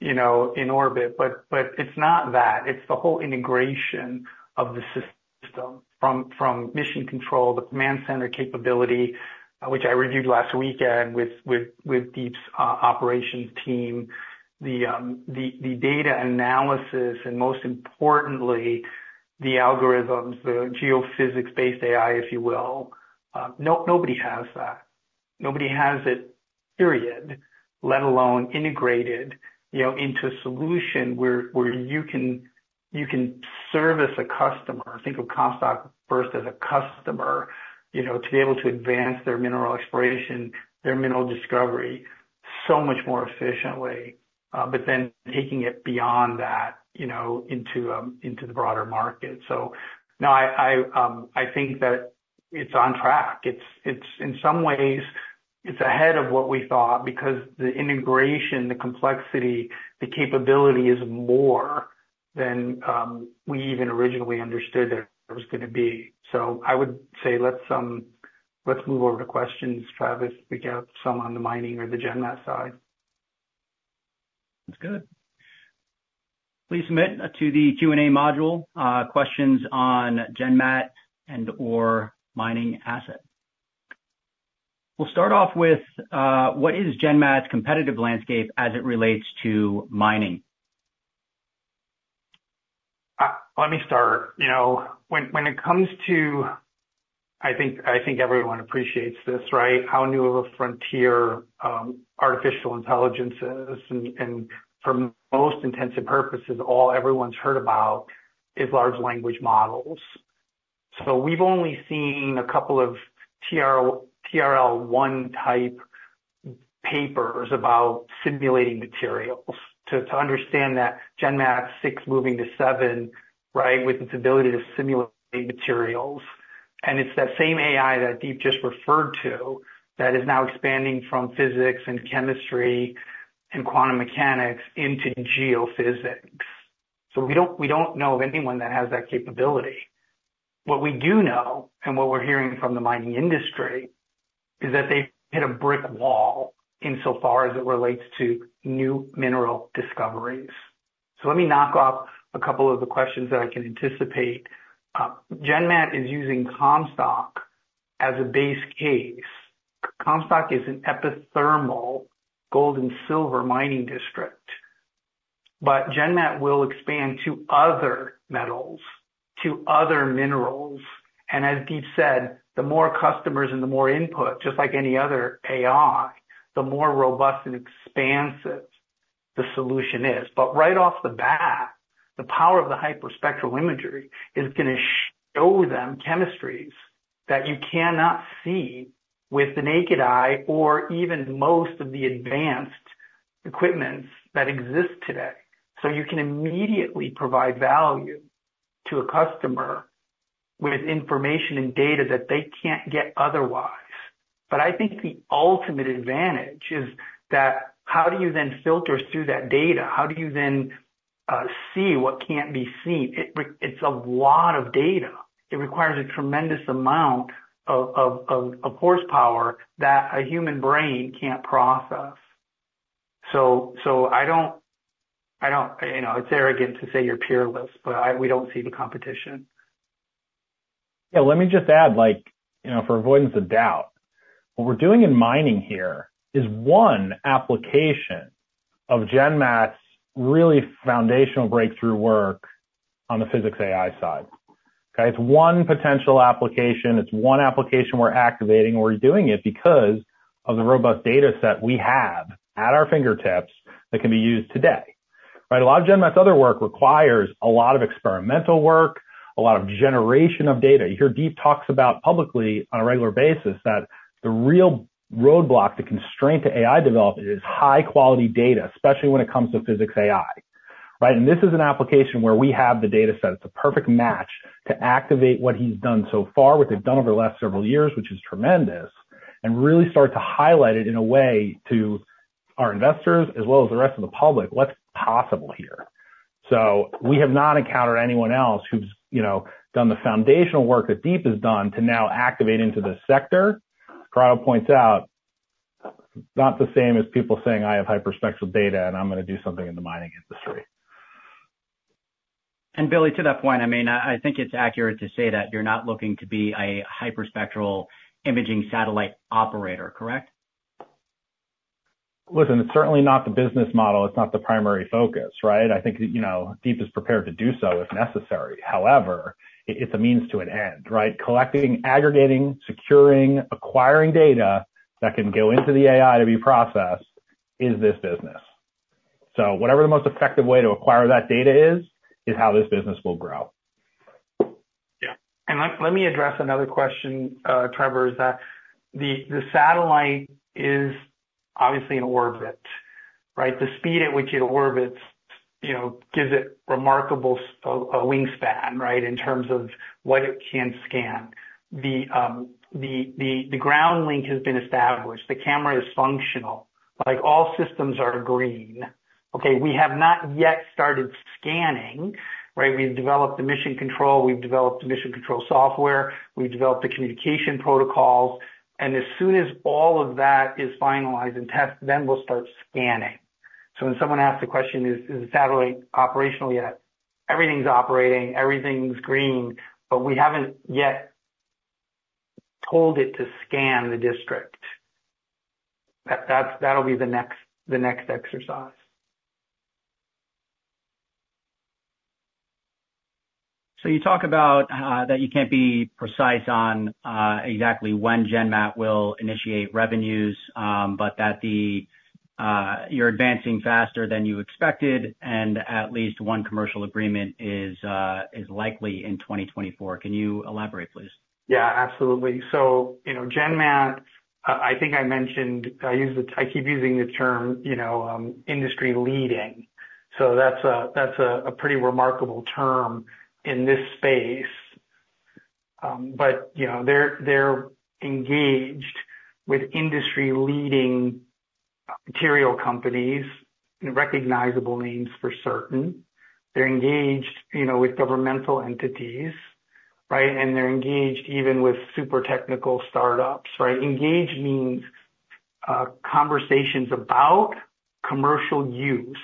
you know, in orbit. But it's not that. It's the whole integration of the system from Mission Control, the command center capability which I reviewed last weekend with Deep's operations team. The data analysis and most importantly the algorithms, the geophysics-based AI, if you will. No, nobody has that. Nobody has it period. Let alone integrated, you know, into a solution where you can service a customer. Think of Comstock first as a customer, you know, to be able to advance their mineral exploration, their mineral discovery so much more efficiently, but then taking it beyond that, you know, into the broader market. So now I think that it's on track. It's in some ways ahead of what we thought because the integration, the complexity, the capability is more than we even originally understood there was going to be. So I would say let's move over to questions. Travis, pick out some on the mining or the GenMat side. That's good. Please submit to the Q and A module questions on GenMat and our mining asset. We'll start off with what is GenMat's competitive landscape as it relates to our mining. Let me start, you know, when it comes to, I think everyone appreciates this, right? How new of a frontier artificial intelligence is. And for all intents and purposes, all everyone's heard about is large language models. So we've only seen a couple of TRL 1 type papers about simulating materials to understand that GenMat-6 moving to 7, right. With its ability to simulate materials. And it's that same AI that Deep just referred to that is now expanding from physics and chemistry and quantum mechanics into geophysics. So we don't know of anyone that has that capability. What we do know and what we're hearing from the mining industry is that they hit a brick wall insofar as it relates to new mineral discoveries. So let me knock off a couple of the questions that I can anticipate. GenMat is using Comstock as a base case. Comstock is an epithermal gold and silver mining district. But GenMat will expand to other metals, to other minerals. And as Deep said, the more customers and the more input, just like any other AI, the more robust and expansive the solution is. But right off the bat, the power of the hyperspectral imagery is going to show them chemistries that you cannot see with the naked eye, or even most of the advanced equipment that exists today. So you can immediately provide value to a customer with information and data that they can't get otherwise. But I think the ultimate advantage is that how do you then filter through that data? How do you then see what can't be seen? It's a lot of data. It requires a tremendous amount of horsepower that a human brain can't process. So I don't. You know, it's arrogant to say you're peerless, but we don't see the competition. Yeah. Let me just add, like, you know, for avoidance of doubt, what we're doing in mining here is one application of GenMat's really foundational breakthrough work on the Physics AI side. It's one potential application. It's one application we're activating. We're doing it because of the robust data set we have at our fingertips that can be used today. Right. A lot of GenMat's other work requires a lot of experimental work, a lot of generation of data. You hear Deep talks about publicly on a regular basis, that the real roadblock, the constraint to AI development is high quality data, especially when it comes to Physics AI. Right. And this is an application where we have the data set. It's a perfect match to activate what he's done so far, what they've done over the last several years, which is tremendous, and really start to highlight it in a way to our investors as well as the rest of the public, what's possible here. We have not encountered anyone else who's done the foundational work that Deep has done to now activate into the sector. Corrado points out, not the same as people saying, I have hyperspectral data and I'm going to do something in the mining industry. Billy, to that point, I think it's accurate to say that you're not looking to be a Hyperspectral Imaging satellite operator. Correct. Listen, it's certainly not the business model, it's not the primary focus. Right. I think, you know, Deep is prepared to do so if necessary. However, it's a means to an end. Right. Collecting, aggregating, securing, acquiring data that can go into the AI to be processed is this business. So whatever the most effective way to acquire that data is, is how this business will grow. Yeah, let me address another question, Trevor. Is that the satellite is obviously in orbit. Right. The speed at which it orbits, you know, gives it remarkable wingspan. Right. In terms of what it can scan. The ground link has been established. The camera is functional. Like all systems are green. Okay. We have not yet started scanning. Right. We've developed the mission control, we've developed mission control software, we developed the communication protocols, and as soon as all of that is finalized and tested, then we'll start scanning. So when someone asks the question, is the satellite operational yet? Everything's operating, everything's green, but we haven't yet told it to scan the district. That'll be the next exercise. So you talk about that you can't be precise on exactly when GenMat will initiate revenues, but that you're advancing faster than you expected and at least one commercial agreement is likely in 2024. Can you elaborate, please? Yeah, absolutely. So, you know, GenMat, I think I mentioned I use the, I keep using the term, you know, industry leading. So that's a, that's a pretty remarkable term in this space. But you know, they're, they're engaged with industry leading material companies, recognizable names for certain. They're engaged, you know, with governmental entities. Right. And they're engaged even with super technical startups. Right. Engage means conversations about commercial use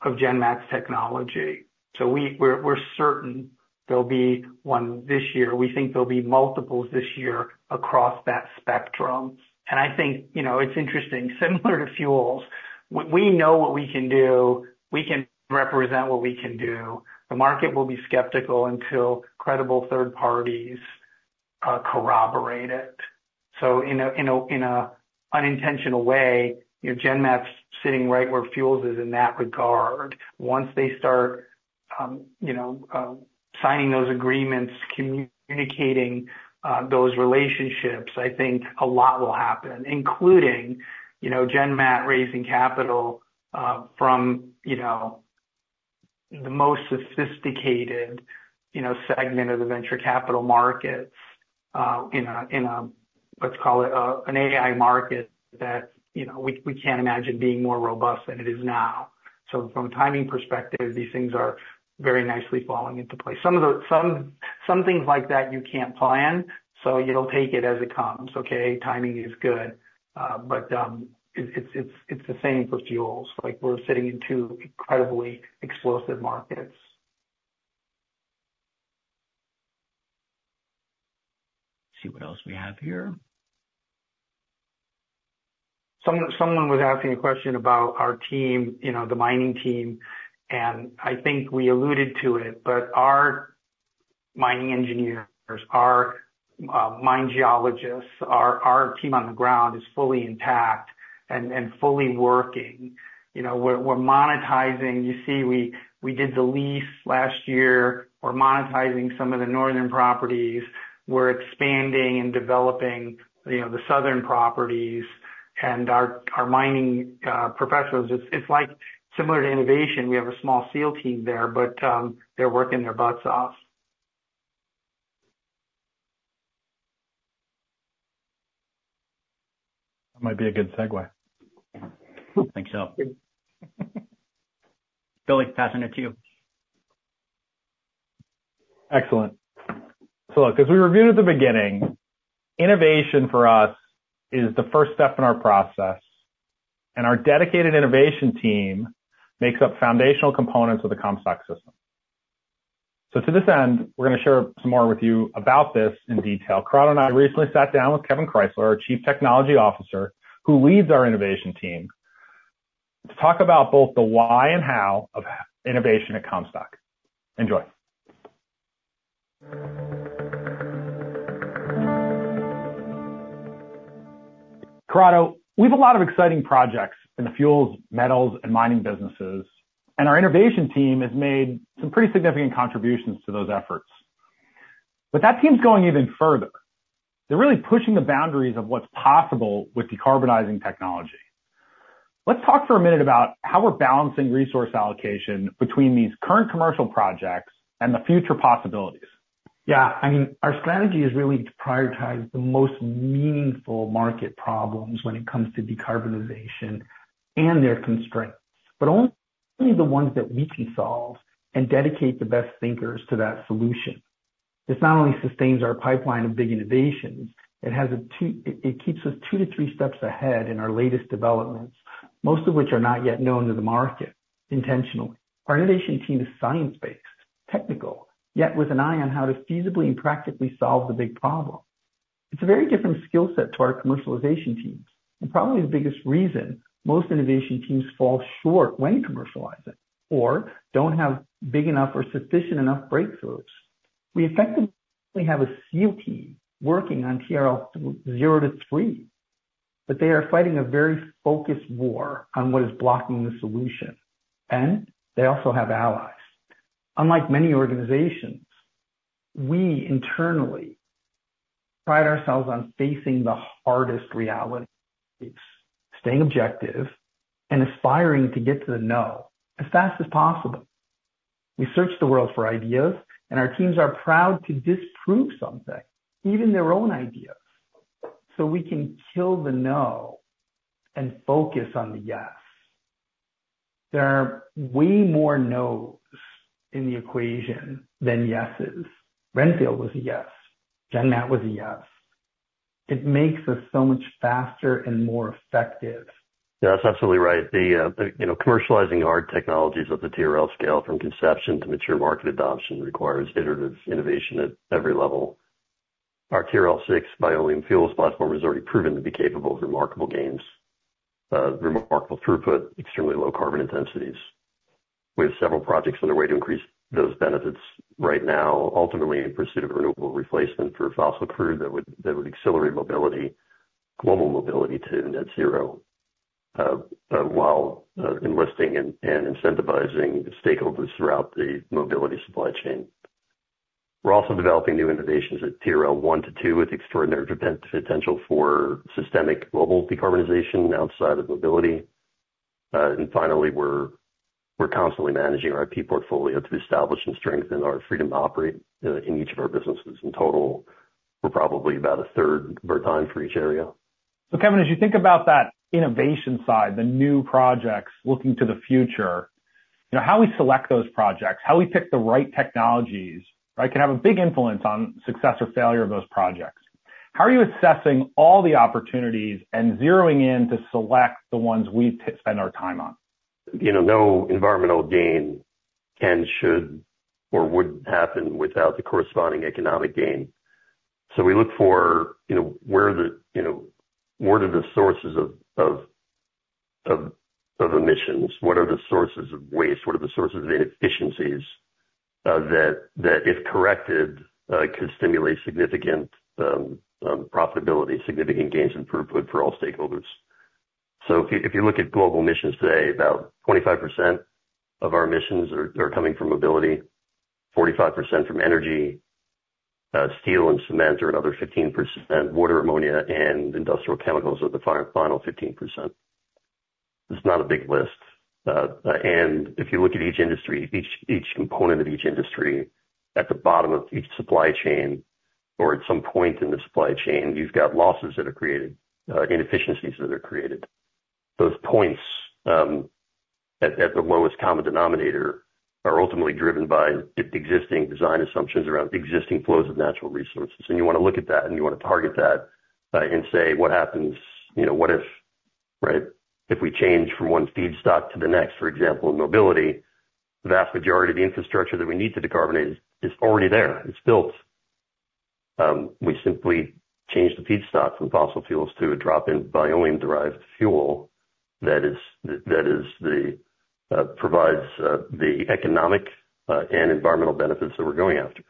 of GenMat's technology. So we're certain there'll be one this year. We think there'll be multiples this year across that spectrum. And I think, you know, it's interesting, similar to fuels, we know what we can do, we can represent what we can do. The market will be skeptical until credible third parties corroborate it. So in a, you know, in a unintentional way, you know, GenMat's sitting right where fuels is in that regard. Once they start, you know, signing those agreements indicating those relationships, I think a lot will happen, including, you know, GenMat raising capital from, you know, the most sophisticated, you know, segment of the venture capital markets in a, let's call it an AI market that, you know, we can't imagine being more robust than it is now. So from a timing perspective, these things are very nicely falling into place. Some of the things like that, you can't plan so you don't take it as it comes. Okay. Timing is good, but it's the same for fuels. Like we're sitting in two incredibly explosive markets. See what else we have here. Someone was asking a question about our team, you know, the mining team, and I think we alluded to it. But our mining engineers, our mine geologists, our, our team on the ground is fully intact and fully working. You know, we're monetizing, you see, we, we did the lease last year, we're monetizing some of the northern properties, we're expanding and developing, you know, the southern properties and our, our mining professionals. It's like similar to innovation. We have a small SEAL team there, but they're working their butts off. That might be a good segue. I think so. Billy, passing it to you. Excellent. So look, as we reviewed at the beginning, innovation for us is the first step in our process. Our dedicated innovation team makes up foundational components of the Comstock System. So to this end we're going to share some more with you about this in detail. Corrado and I recently sat down with Kevin Kreisler, our Chief Technology Officer who leads our innovation team, to talk about both the why and how of innovation at Comstock. Enjoy. Corrado. We have a lot of exciting projects in the fuels, metals and mining businesses. Our innovation team has made some. Pretty significant contributions to those efforts. But that team's going even further. They're really pushing the boundaries of what's possible with decarbonizing technology. Let's talk for a minute about how we're balancing resource allocation between these current commercial projects and the future possibilities. Yeah, I mean our strategy is really to prioritize the most meaningful, meaningful market problems when it comes to decarbonization and their constraints, but only the ones that we can solve and dedicate the best thinkers to that solution. This not only sustains our pipeline of big innovations, it keeps us two to three steps ahead in our latest developments, most of which are not yet known to the market intentionally. Our innovation team is science based, technical, yet with an eye on how to feasibly and practically solve the big problem. It's a very different skill set to our commercialization teams and probably the biggest reason. Most innovation teams fall short when commercializing or don't have big enough or sufficient enough breakthroughs. We effectively have a SEAL team working on TRL 0 to 3. But they are fighting a very focused war on what is blocking the solution. They also have allies. Unlike many organizations, we internally pride ourselves on facing the hardest reality. It's staying objective and aspiring to get to the no as fast as possible. We search the world for ideas and our teams are proud to disprove something, even their own ideas. So we can kill the no and focus on the yes. There are way more nos in the equation than yeses. RenFuel was a yes. GenMat was a yes. It makes us so much faster and more effective. Yeah, that's absolutely right. The, you know, commercializing hard technologies of the TRL scale from conception to mature market adoption requires iterative innovation at every level. Our TRL 6 Bioleum fuels platform has already proven to be capable of remarkable gains, remarkable throughput, extremely low carbon intensities. We have several projects underway to increase those benefits right now, ultimately in pursuit of renewable replacement for fossil crude that would, that would accelerate mobility, global mobility to net zero. While enlisting and incentivizing stakeholders throughout the mobility supply chain. We're also developing new innovations at TRL 1 to 2 with extraordinary potential for systemic mobile decarbonization outside of mobility. And finally, we're constantly managing our IP portfolio to establish and strengthen our freedom to operate in each of our businesses. In total, we're probably about a third of our time for each area. So Kevin, as you think about that innovation side, the new projects, looking to the future, how we select those projects, how we pick the right technologies, can have a big influence on success or failure of those projects. How are you assessing all the opportunities and zeroing in to select the ones we spend our time on? You know, no environmental gain can, should or would happen without the corresponding economic gain. So we look for, you know, where the, you know, what are the sources of emissions, what are the sources of waste, what are the sources of inefficiencies that, that if corrected, could stimulate significant profitability, significant gains in throughput for all stakeholders. So if you look at global emissions today, about 25% of our emissions are coming from mobility, 45% from energy. Steel and cement are another 15%. Water, ammonia and industrial chemicals are the final 15%. It's not a big list. And if you look at each industry, each component of each industry, at the bottom of each supply chain or at some point in the supply chain, you've got losses that are created, inefficiencies that are created. Those points at the lowest common denominator are ultimately driven by existing design assumptions around existing flows of natural resources. You want to look at that, and you want to target that and say, what happens? What if, right? If we change from one feedstock to the next? For example, in mobility, the vast majority of the infrastructure that we need to decarbonize is already there. It's built. We simply change the feedstock from fossil fuels to a drop-in Bioleum-derived fuel that provides the economic and environmental benefits that we're going after.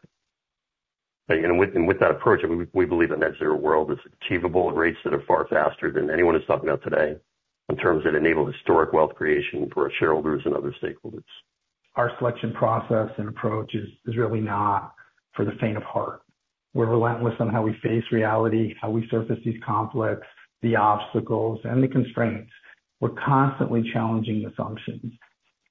With that approach, we believe the net-zero world is achievable at rates that are far faster than anyone is talking about today in terms that enable historic wealth creation for our shareholders and other stakeholders. Our selection process and approach is really not for the faint of heart. We're relentless on how we face reality, how we surface these conflicts, the obstacles and the constraints. We're constantly challenging assumptions.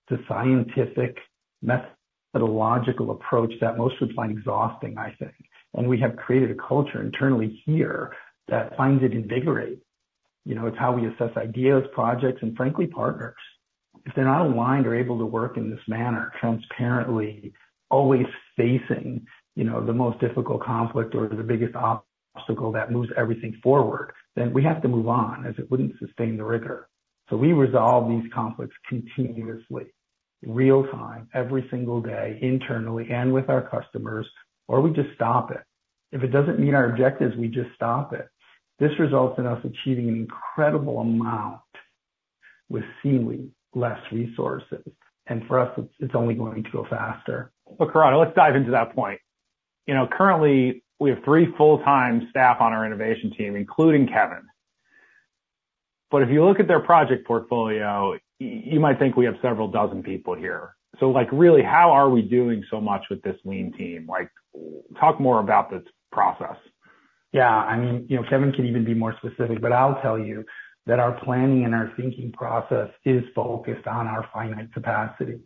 The scientific methodological approach that most would find exhausting, I think. And we have created a culture internally here that finds it invigorating. You know, it's how we assess ideas, projects, and frankly, partners, if they're not aligned or able to work in this manner, transparently, always facing, you know, the most difficult conflict or the biggest obstacle that moves everything forward, then we have to move on as it wouldn't sustain the rigor. So we resolve these conflicts continuously, real time, every single day, internally and with our customers, or we just stop it. If it doesn't meet our objectives, we just stop it. This results in us achieving an incredible amount with seemingly less resources. For us, it's only going to go faster. Well, Corrado, let's dive into that point. You know, currently we have three full-time staff on our innovation team, including Kevin. But if you look at their project portfolio, you might think we have several dozen people here. So like really, how are we doing so much with this lean team? Like talk more about this process. Yeah, I mean, you know, Kevin can even be more specific. But I'll tell you that our planning and our thinking process is focused on our finite capacity.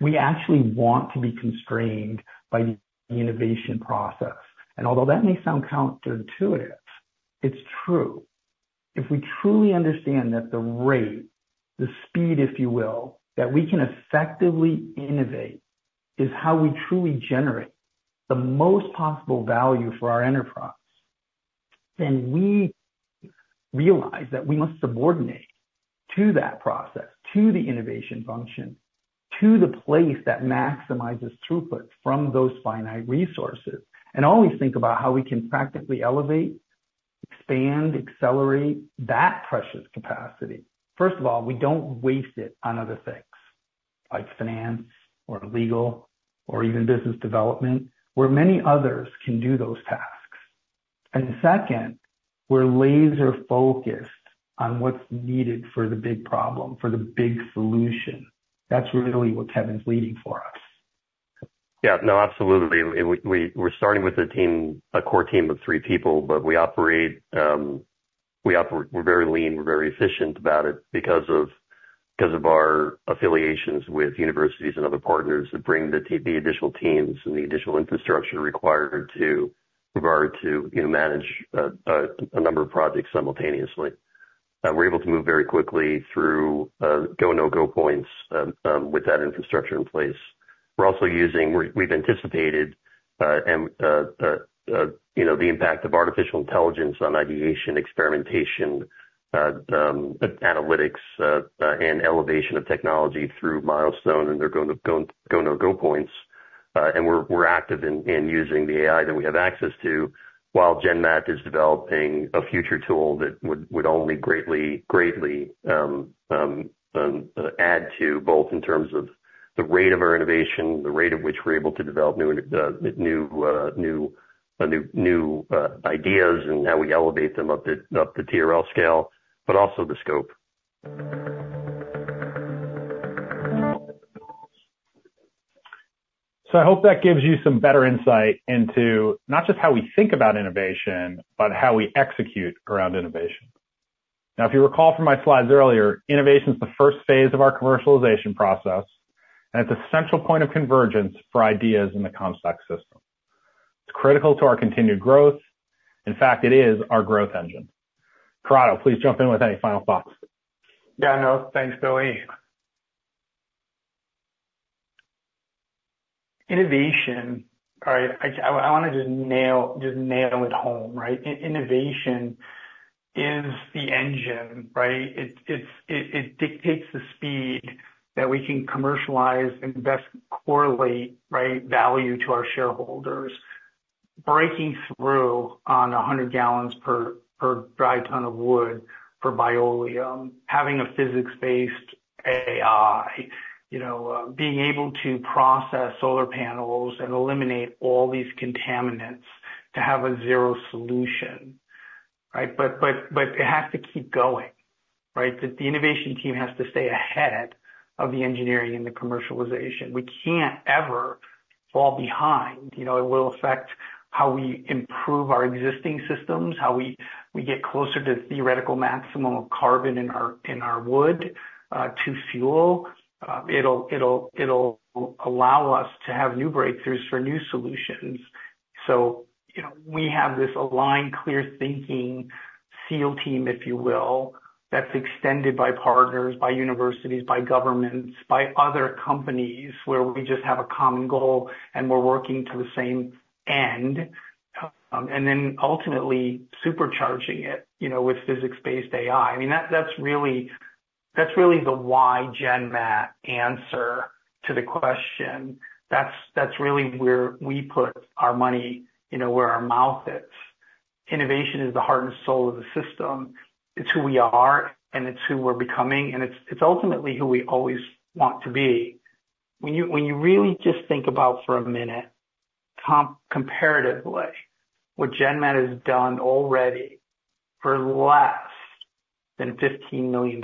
We actually want to be constrained by the innovation process. And although that may sound counterintuitive, it's true. If we truly understand that the rate, the speed, if you will, that we can effectively innovate is how we truly generate the most possible value for our enterprise, then we realize that we must subordinate to that process, to the innovation function, to the place that maximizes throughput from those finite resources. And always think about how we can practically elevate, expand, accelerate that precious capacity. First of all, we don't waste it on other things like finance or legal or even business development where many others can do those tasks. Second, we're laser focused on what's needed for the big problem, for the big solution. That's really what Kevin's leading for us. Yeah, no, absolutely. We're starting with the team, a core team of three people. But we operate, we operate. We're very lean, we're very efficient about it because of, because of our affiliations with universities and other partners that bring the additional teams and the additional infrastructure required with regard to, you know, manage a number of projects simultaneously. We're able to move very quickly through go/no-go points with that infrastructure in place. We're also using. We've anticipated the impact of artificial intelligence on ideation, experimentation, analytics and elevation of technology through milestone and their go/no-go points. We're active in using the AI that we have access to while GenMat is developing a future tool that would only greatly, greatly add to both in terms of the rate of our innovation, the rate at which we're able to develop new ideas and how we elevate them up the TRL scale, but also the scope. So I hope that gives you some better insight into not just how we think about innovation, but how we execute around innovation. Now, if you recall from my slides earlier, innovation is the first phase of our commercialization process and it's a central point of convergence for ideas in the Comstock System. It's critical to our continued growth. In fact, it is our growth engine. Corrado, please jump in with any final thoughts. Yeah, no thanks, Billy. Innovation. All right. I want to just nail it home, right? Innovation is the engine, right? It's. It dictates the speed that we can commercialize and best correlate value to our shareholders. Breaking through on 100 gallons per dry ton of wood for Bioleum. Having a physics-based AI, you know, being able to process solar panels and eliminate all these contaminants to have a zero solution, right? But it has to keep going, right? The innovation team has to stay ahead of the engineering and the commercialization. We can't ever fall behind. You know, it will affect how we improve our existing systems, how we get closer to theoretical maximum of carbon in our wood to fuel. It'll allow us to have new breakthroughs for new solutions. So you know, we have this aligned, clear thinking SEAL team, if you will. That's extended by partners, by universities, by governments, by other companies where we just have a common goal and we're working to the same end and then ultimately supercharging it, you know, with physics-based AI. I mean that, that's really, that's really the why GenMat answer to the question. That's really where we put our money, where our mouth is. Innovation is the heart and soul of the system. It's who we are and it's who we're becoming and it's ultimately who we always want to be. When you really just think about for a minute, comparatively, what GenMat has done already for less than $15 million.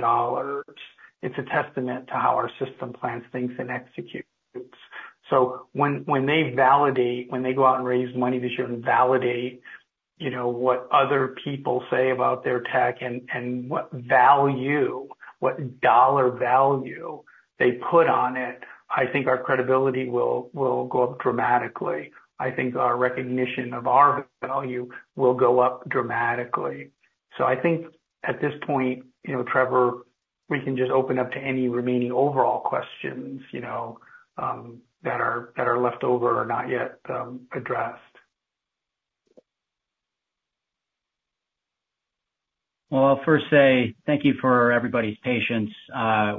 It's a testament to how our system plans things and executes. So when they validate, when they go out and raise money this year and validate, you know, what other people say about their tech and what value, what dollar value they put on it, I think our credibility will go up dramatically. I think our recognition of our value will go up dramatically. So I think at this point, you know, Trevor, we can just open up to any remaining overall questions, you know, that are left over or not yet addressed. Well, I'll first say thank you for everybody's patience.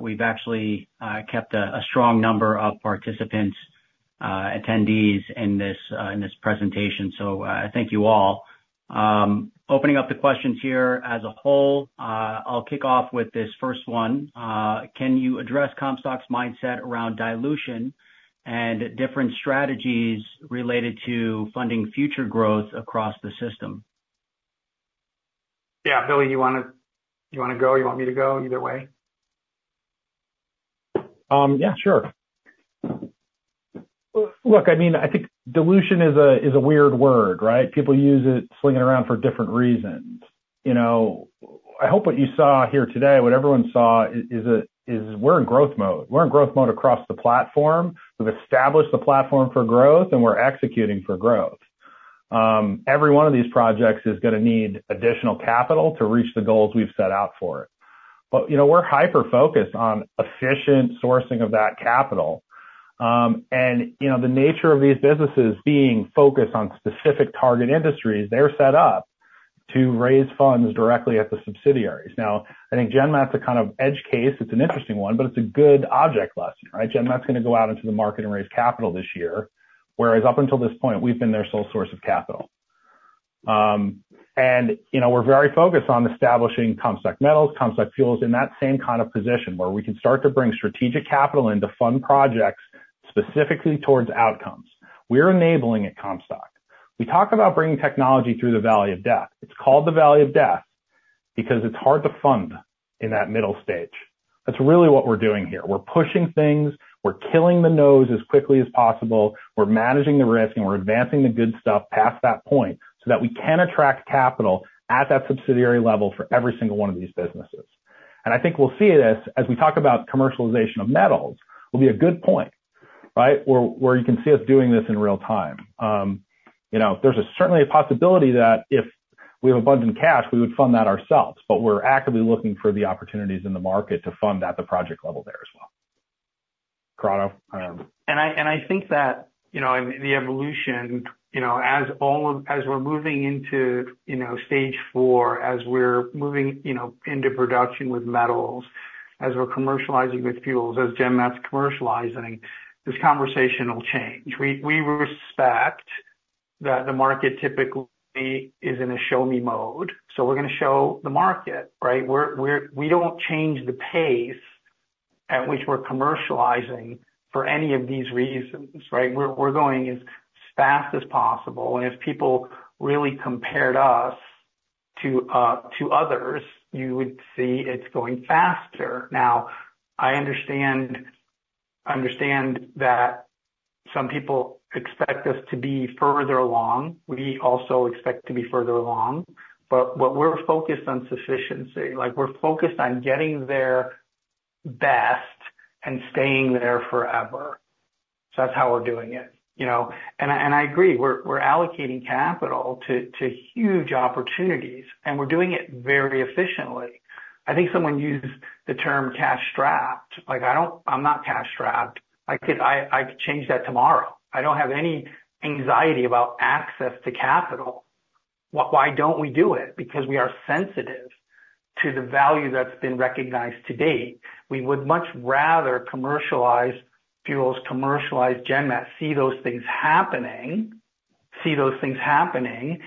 We've actually kept a strong number of participants, attendees in this presentation. So thank you all. Opening up the questions here as a whole. I'll kick off with this first one. Can you address Comstock's mindset around dilution and different strategies related to funding future growth across the system? Yeah. Billy, you want to go, you want me to go either way? Yeah, sure. Look, I mean, I think dilution is. A weird word, right? People use it slinging around for different reasons. You know, I hope what you saw here today, what everyone saw, is we're in growth mode. We're in growth mode across the platform. We've established the platform for growth and we're executing for growth. Every one of these projects is going to need additional capital to reach the goals we've set out for. But, you know, we're hyper focused on efficient sourcing of that capital. And, you know, the nature of these businesses being focused on specific target industries. They're set up to raise funds directly at the subsidiaries. Now, I think GenMat's a kind of edge case. It's an interesting one, but it's a good object lesson. Right. GenMat's going to go out into the market and raise capital this year, whereas up until this point, we've been their sole source of capital. And you know, we're very focused on establishing Comstock Metals, Comstock Fuels in that same kind of position where we can start to bring strategic capital in to fund projects specifically towards outcomes we're enabling. At Comstock, we talk about bringing technology through the Valley of Death. It's called the Valley of Death because it's hard to fund in that middle stage. That's really what we're doing here. We're pushing things, we're killing the noise as quickly as possible. We're managing the risk and we're advancing the good stuff, stuff past that point so that we can attract capital at that subsidiary level for every single one of these businesses. I think we'll see this as we talk about commercialization of metals, will be a good point, right, where you can see us doing this in real time. There's certainly a possibility that if we have abundant cash, we would fund that ourselves. We're actively looking for the opportunities in the market to fund at the project level there as well. Corrado. and I think that, you know, the evolution, you know, as all of, as we're moving into, you know, stage four, as we're moving, you know, into production with metals, as we're commercializing with fuels, as GenMat's commercializing this conversational change. We, we respect that the market typically is in a show me mode. So we're going to show the market, right? We're, we're, we don't change the pace at which we're commercializing for any of these reasons, right? We're going as fast as possible. And if people really compared us to, to others, you would see it's going faster. Now I understand, understand that some people expect us to be further along. We also expect to be further along. But what we're focused on sufficiency, like, we're focused on getting there best and staying there forever. So that's how we're doing it, you know, and I agree we're allocating capital to huge opportunities and we're doing it very efficiently. I think someone used the term cash strapped. Like, I don't, I'm not cash trapped. I could, I, I could change that tomorrow. I don't have any anxiety about access to capital. Why don't we do it? Because we are sensitive to the value that's been recognized to date. We would much rather commercialize fuels, commercialize GenMat. See those things happening, see those things happening,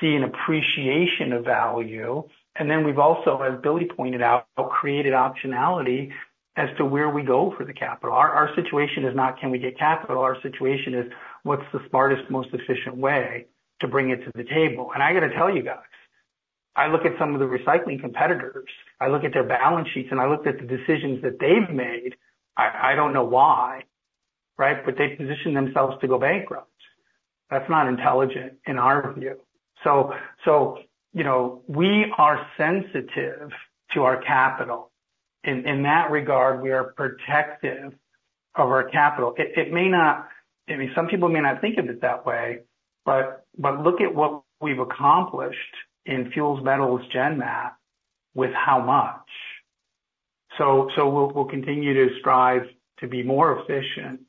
see an appreciation of value. And then we've also, as Billy pointed out, created optionality as to where we go for the capital. Our situation is not can we get capital. Our situation is what's the smartest, most efficient way to bring it to the table. I got to tell you guys, I look at some of the recycling competitors, I look at their balance sheets and I looked at the decisions that they've made. I, I don't know why. Right? But they position themselves to go bankrupt. That's not intelligent in our view. So, so, you know, we are sensitive to our capital in, in that regard. We are protective of our capital. It may not, I mean, some people may not think of it that way, but, but, look at what we've accomplished in fuels, metals, GenMat with how much? So, so we'll, we'll continue to strive to be more efficient.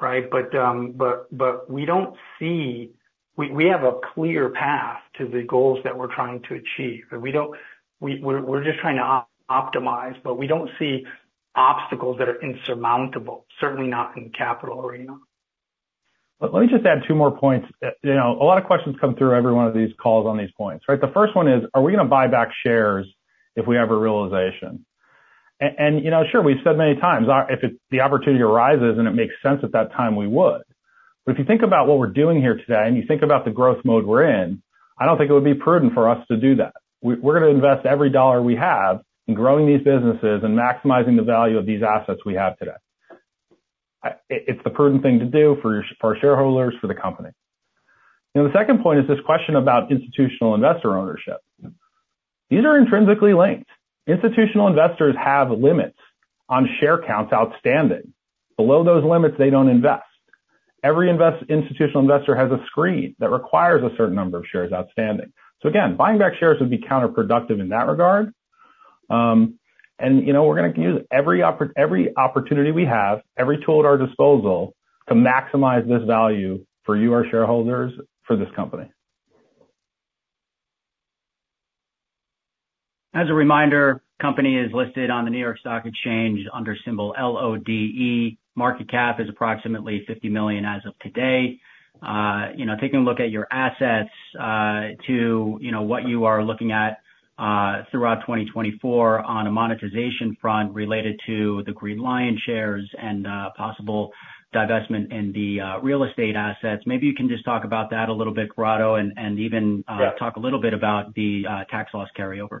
Right. But, but, but we don't see we have a clear path to the goals that we're trying to achieve. We don't, we, we're just trying to optimize, but we don't see obstacles that are insurmountable, certainly not in capital arena. Let me just add two more points. You know, a lot of questions come through every one of these calls on these points. Right. The first one is are we going to buy back shares if we have a realization? And you know, sure, we've said many times, if the opportunity arises and it makes sense at that time we would. But if you think about what we're doing here today and you think about the growth mode we're in, I don't think it would be prudent for us to do that. We're going to invest every dollar we have in growing these businesses and maximizing the value of these assets we have today. It's the prudent thing to do for our shareholders, for the company. The second point is this question about institutional investor ownership. These are intrinsically linked. Institutional investors have limits on share counts outstanding. Below those limits, they don't invest. Every institutional investor has a screen that requires a certain number of shares outstanding. Again, buying back shares would be counterproductive in that regard. You know, we're going to use every opportunity we have, every tool at our disposal to maximize this value for you, our shareholders, for this company. As a reminder, company is listed on the New York Stock Exchange under symbol LODE. Market cap is approximately $50 million as of today. You know, taking a look at your assets to, you know, what you are looking at throughout 2024 on a monetization front related to the Green Li-ion shares and possible divestment in the real estate assets. Maybe you can just talk about that a little bit, Corrado, and even talk a little bit about the tax loss carryover.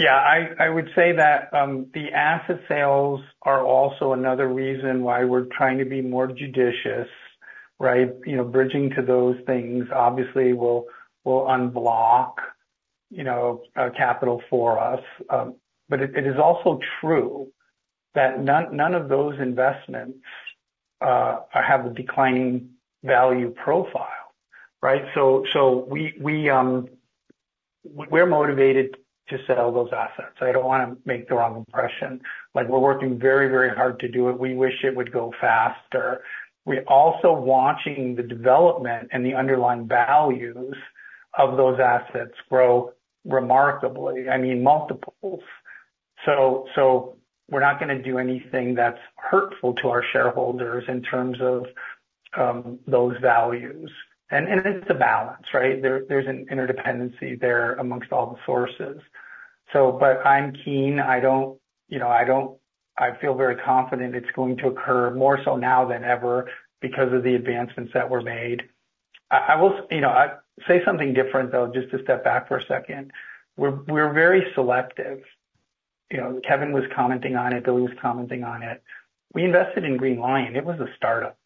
Yeah. I would say that the asset sales are also another reason why we're trying to be more judicious. Right. You know, bridging to those things obviously will, will unblock, you know, capital for us. But it is also true that none of those investments have a declining value profile. Right. So we, we're motivated to sell those assets. I don't want to make the wrong impression like we're working very, very hard to do it. We wish it would go faster. We also watching the development and the underlying values of those assets grow remarkably, I mean, multiples. So, so we're not going to do anything that's hurtful to our shareholders in terms of those values. And, and it's the balance right there. There's an interdependency there amongst all the sources. So. But I'm keen, I don't, you know, I don't. I feel very confident it's going to occur more so now than ever because of the advancements that were made. I will, you know, I say something different though, just to step back for a second. We're very selective. You know, Kevin was commenting on it, Billy was commenting on it. We invested in Green Li-ion, it was a startup.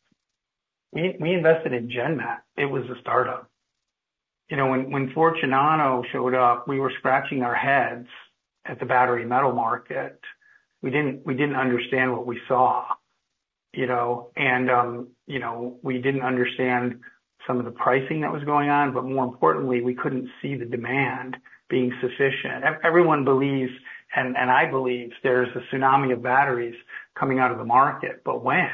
We invested in GenMat. It was a startup. You know, when Fortunato showed up, we were scratching our heads at the battery metal market. We didn't understand what we saw, you know, and you know, we didn't understand some of the pricing that was going on. But more importantly, we couldn't see the demand being sufficient. Everyone believes, and I believe there's a tsunami of batteries coming out of the market. But when,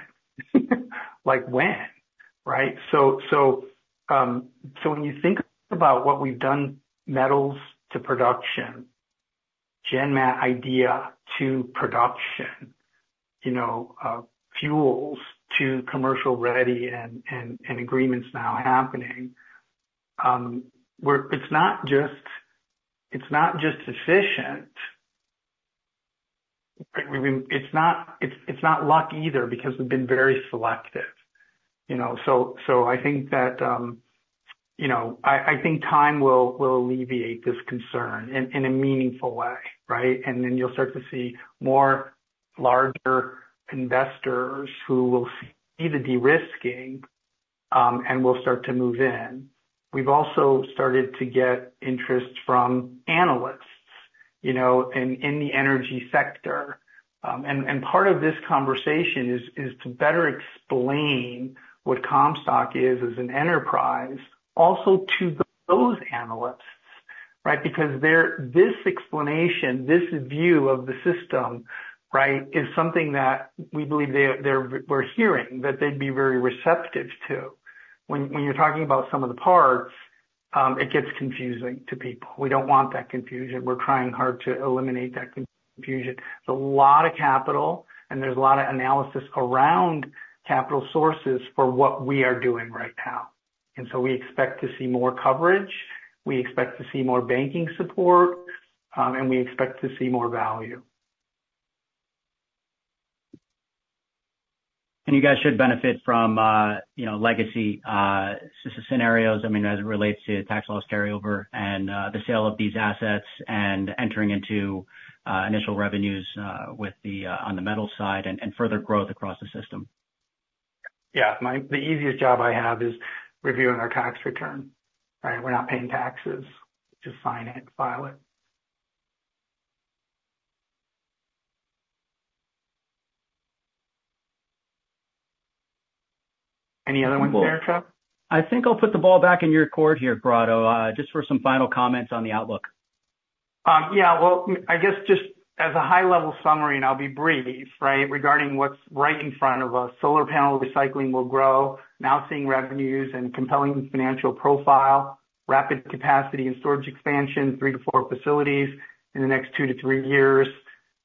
like when. Right, so when you think about what we've done, metals to production, GenMat idea to production, you know, fuels to commercial ready and agreements now happening, it's not just efficient. It's not luck either because we've been very selective, you know, so I think that, you know, I think time will alleviate this concern in a meaningful way. Right. And then you'll start to see more larger investors who will see the de-risking and will start to move in. We've also started to get interest from analysts, you know, in the energy sector. And part of this conversation is to better explain what Comstock is as an enterprise also to those analysts. Right, because this explanation, this view of the system is something that we believe we're hearing that they'd be very receptive to. When you're talking about some of the parts, it gets confusing to people. We don't want that confusion. We're trying hard to eliminate that confusion. Confusion. A lot of capital and there's a lot of analysis around capital sources for what we are doing right now. And so we expect to see more coverage, we expect to see more banking support and we expect to see more value. You guys should benefit from, you know, legacy scenarios. I mean, as it relates to tax loss carryover and the sale of these assets and entering into initial revenues with the, on the metal side and further growth across the system. Yeah, the easiest job I have is reviewing our tax return. Right. We're not paying taxes. Just sign it, file it. Any other ones? I think I'll put the ball back. In your court here, Corrado, just for some final comments on the outlook. Yeah, well, I guess just as a high level summary and I'll be brief. Right. Regarding what's right in front of us. Solar panel recycling will grow now, seeing revenues and compelling financial profile. Rapid capacity and storage expansion, 3-4 facilities in the next 2 years-3 years.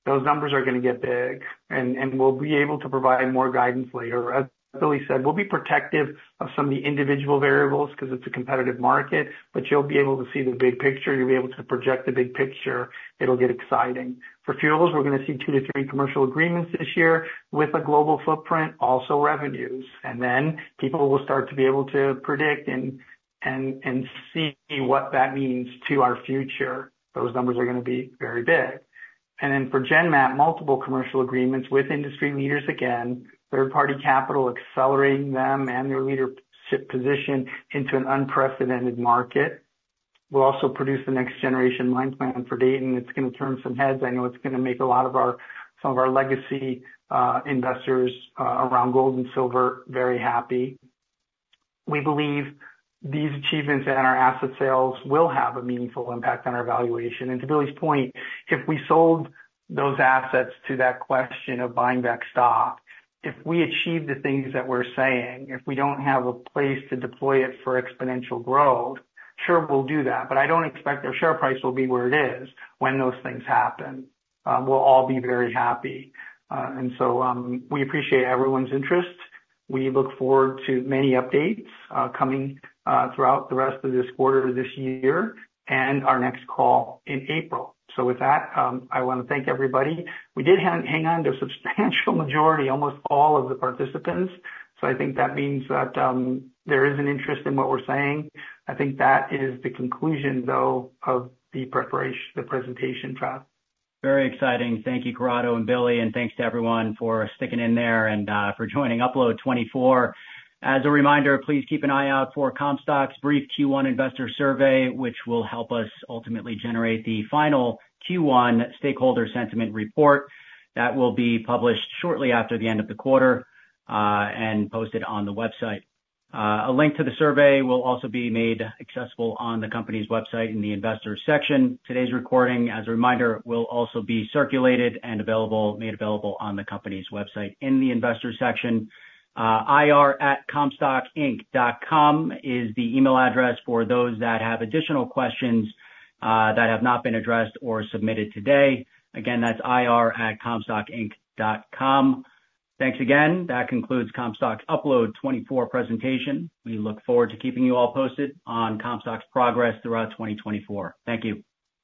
Those numbers are going to get big and we'll be able to provide more guidance later. As Billy said, we'll be protective of some of the individual variables because it's a competitive market, but you'll be able to see the big picture. You'll be able to project the big picture. It'll get exciting for fuels. We're going to see 2-3 commercial agreements this year with a global footprint, also revenues. And then people will start to be able to predict and see what that means to our future. Those numbers are going to be very big. And then for GenMat, multiple commercial agreements with industry leaders again, third party capital, accelerating them and their leadership position into an unprecedented market. We'll also produce the next generation mine plan for Dayton. It's going to turn some heads. I know it's going to make some of our legacy investors around gold and silver very happy. We believe these achievements and our asset sales will have a meaningful impact on our valuation. And to Billy's point, if we sold those assets to that question of buying back stock, if we achieve the things that we're saying, if we don't have a place to deploy it for exponential growth, sure, we'll do that, but I don't expect our share price will be where it is. When those things happen, we'll all be very happy. And so we appreciate everyone's interest. We look forward to many updates coming throughout the rest of this quarter this year and our next call in April. So with that, I want to thank everybody. We did hang on to a substantial majority, almost all of the participants. So I think that means that there is an interest in what we're saying. I think that is the conclusion though of the preparation, the presentation. Very exciting. Thank you, Corrado and Billy, and thanks to everyone for sticking in there and for joining Upload 2024. As a reminder, please keep an eye out for Comstock's brief Q1 investor survey which will help us ultimately generate the final Q1 stakeholder sentiment report that will be published shortly after the end of the quarter and posted on the website. A link to the survey will also be made accessible on the company's website in the Investors section. Today's recording, as a reminder, will also be circulated and made available on the company's website in the Investors section. ir@comstockinc.com is the email address for those that have additional questions that have not been addressed or submitted today. Again, that's ir@comstockinc.com Thanks again. That concludes Comstock's Upload 2024 presentation. We look forward to keeping you all posted on Comstock's progress throughout 2024. Thank you.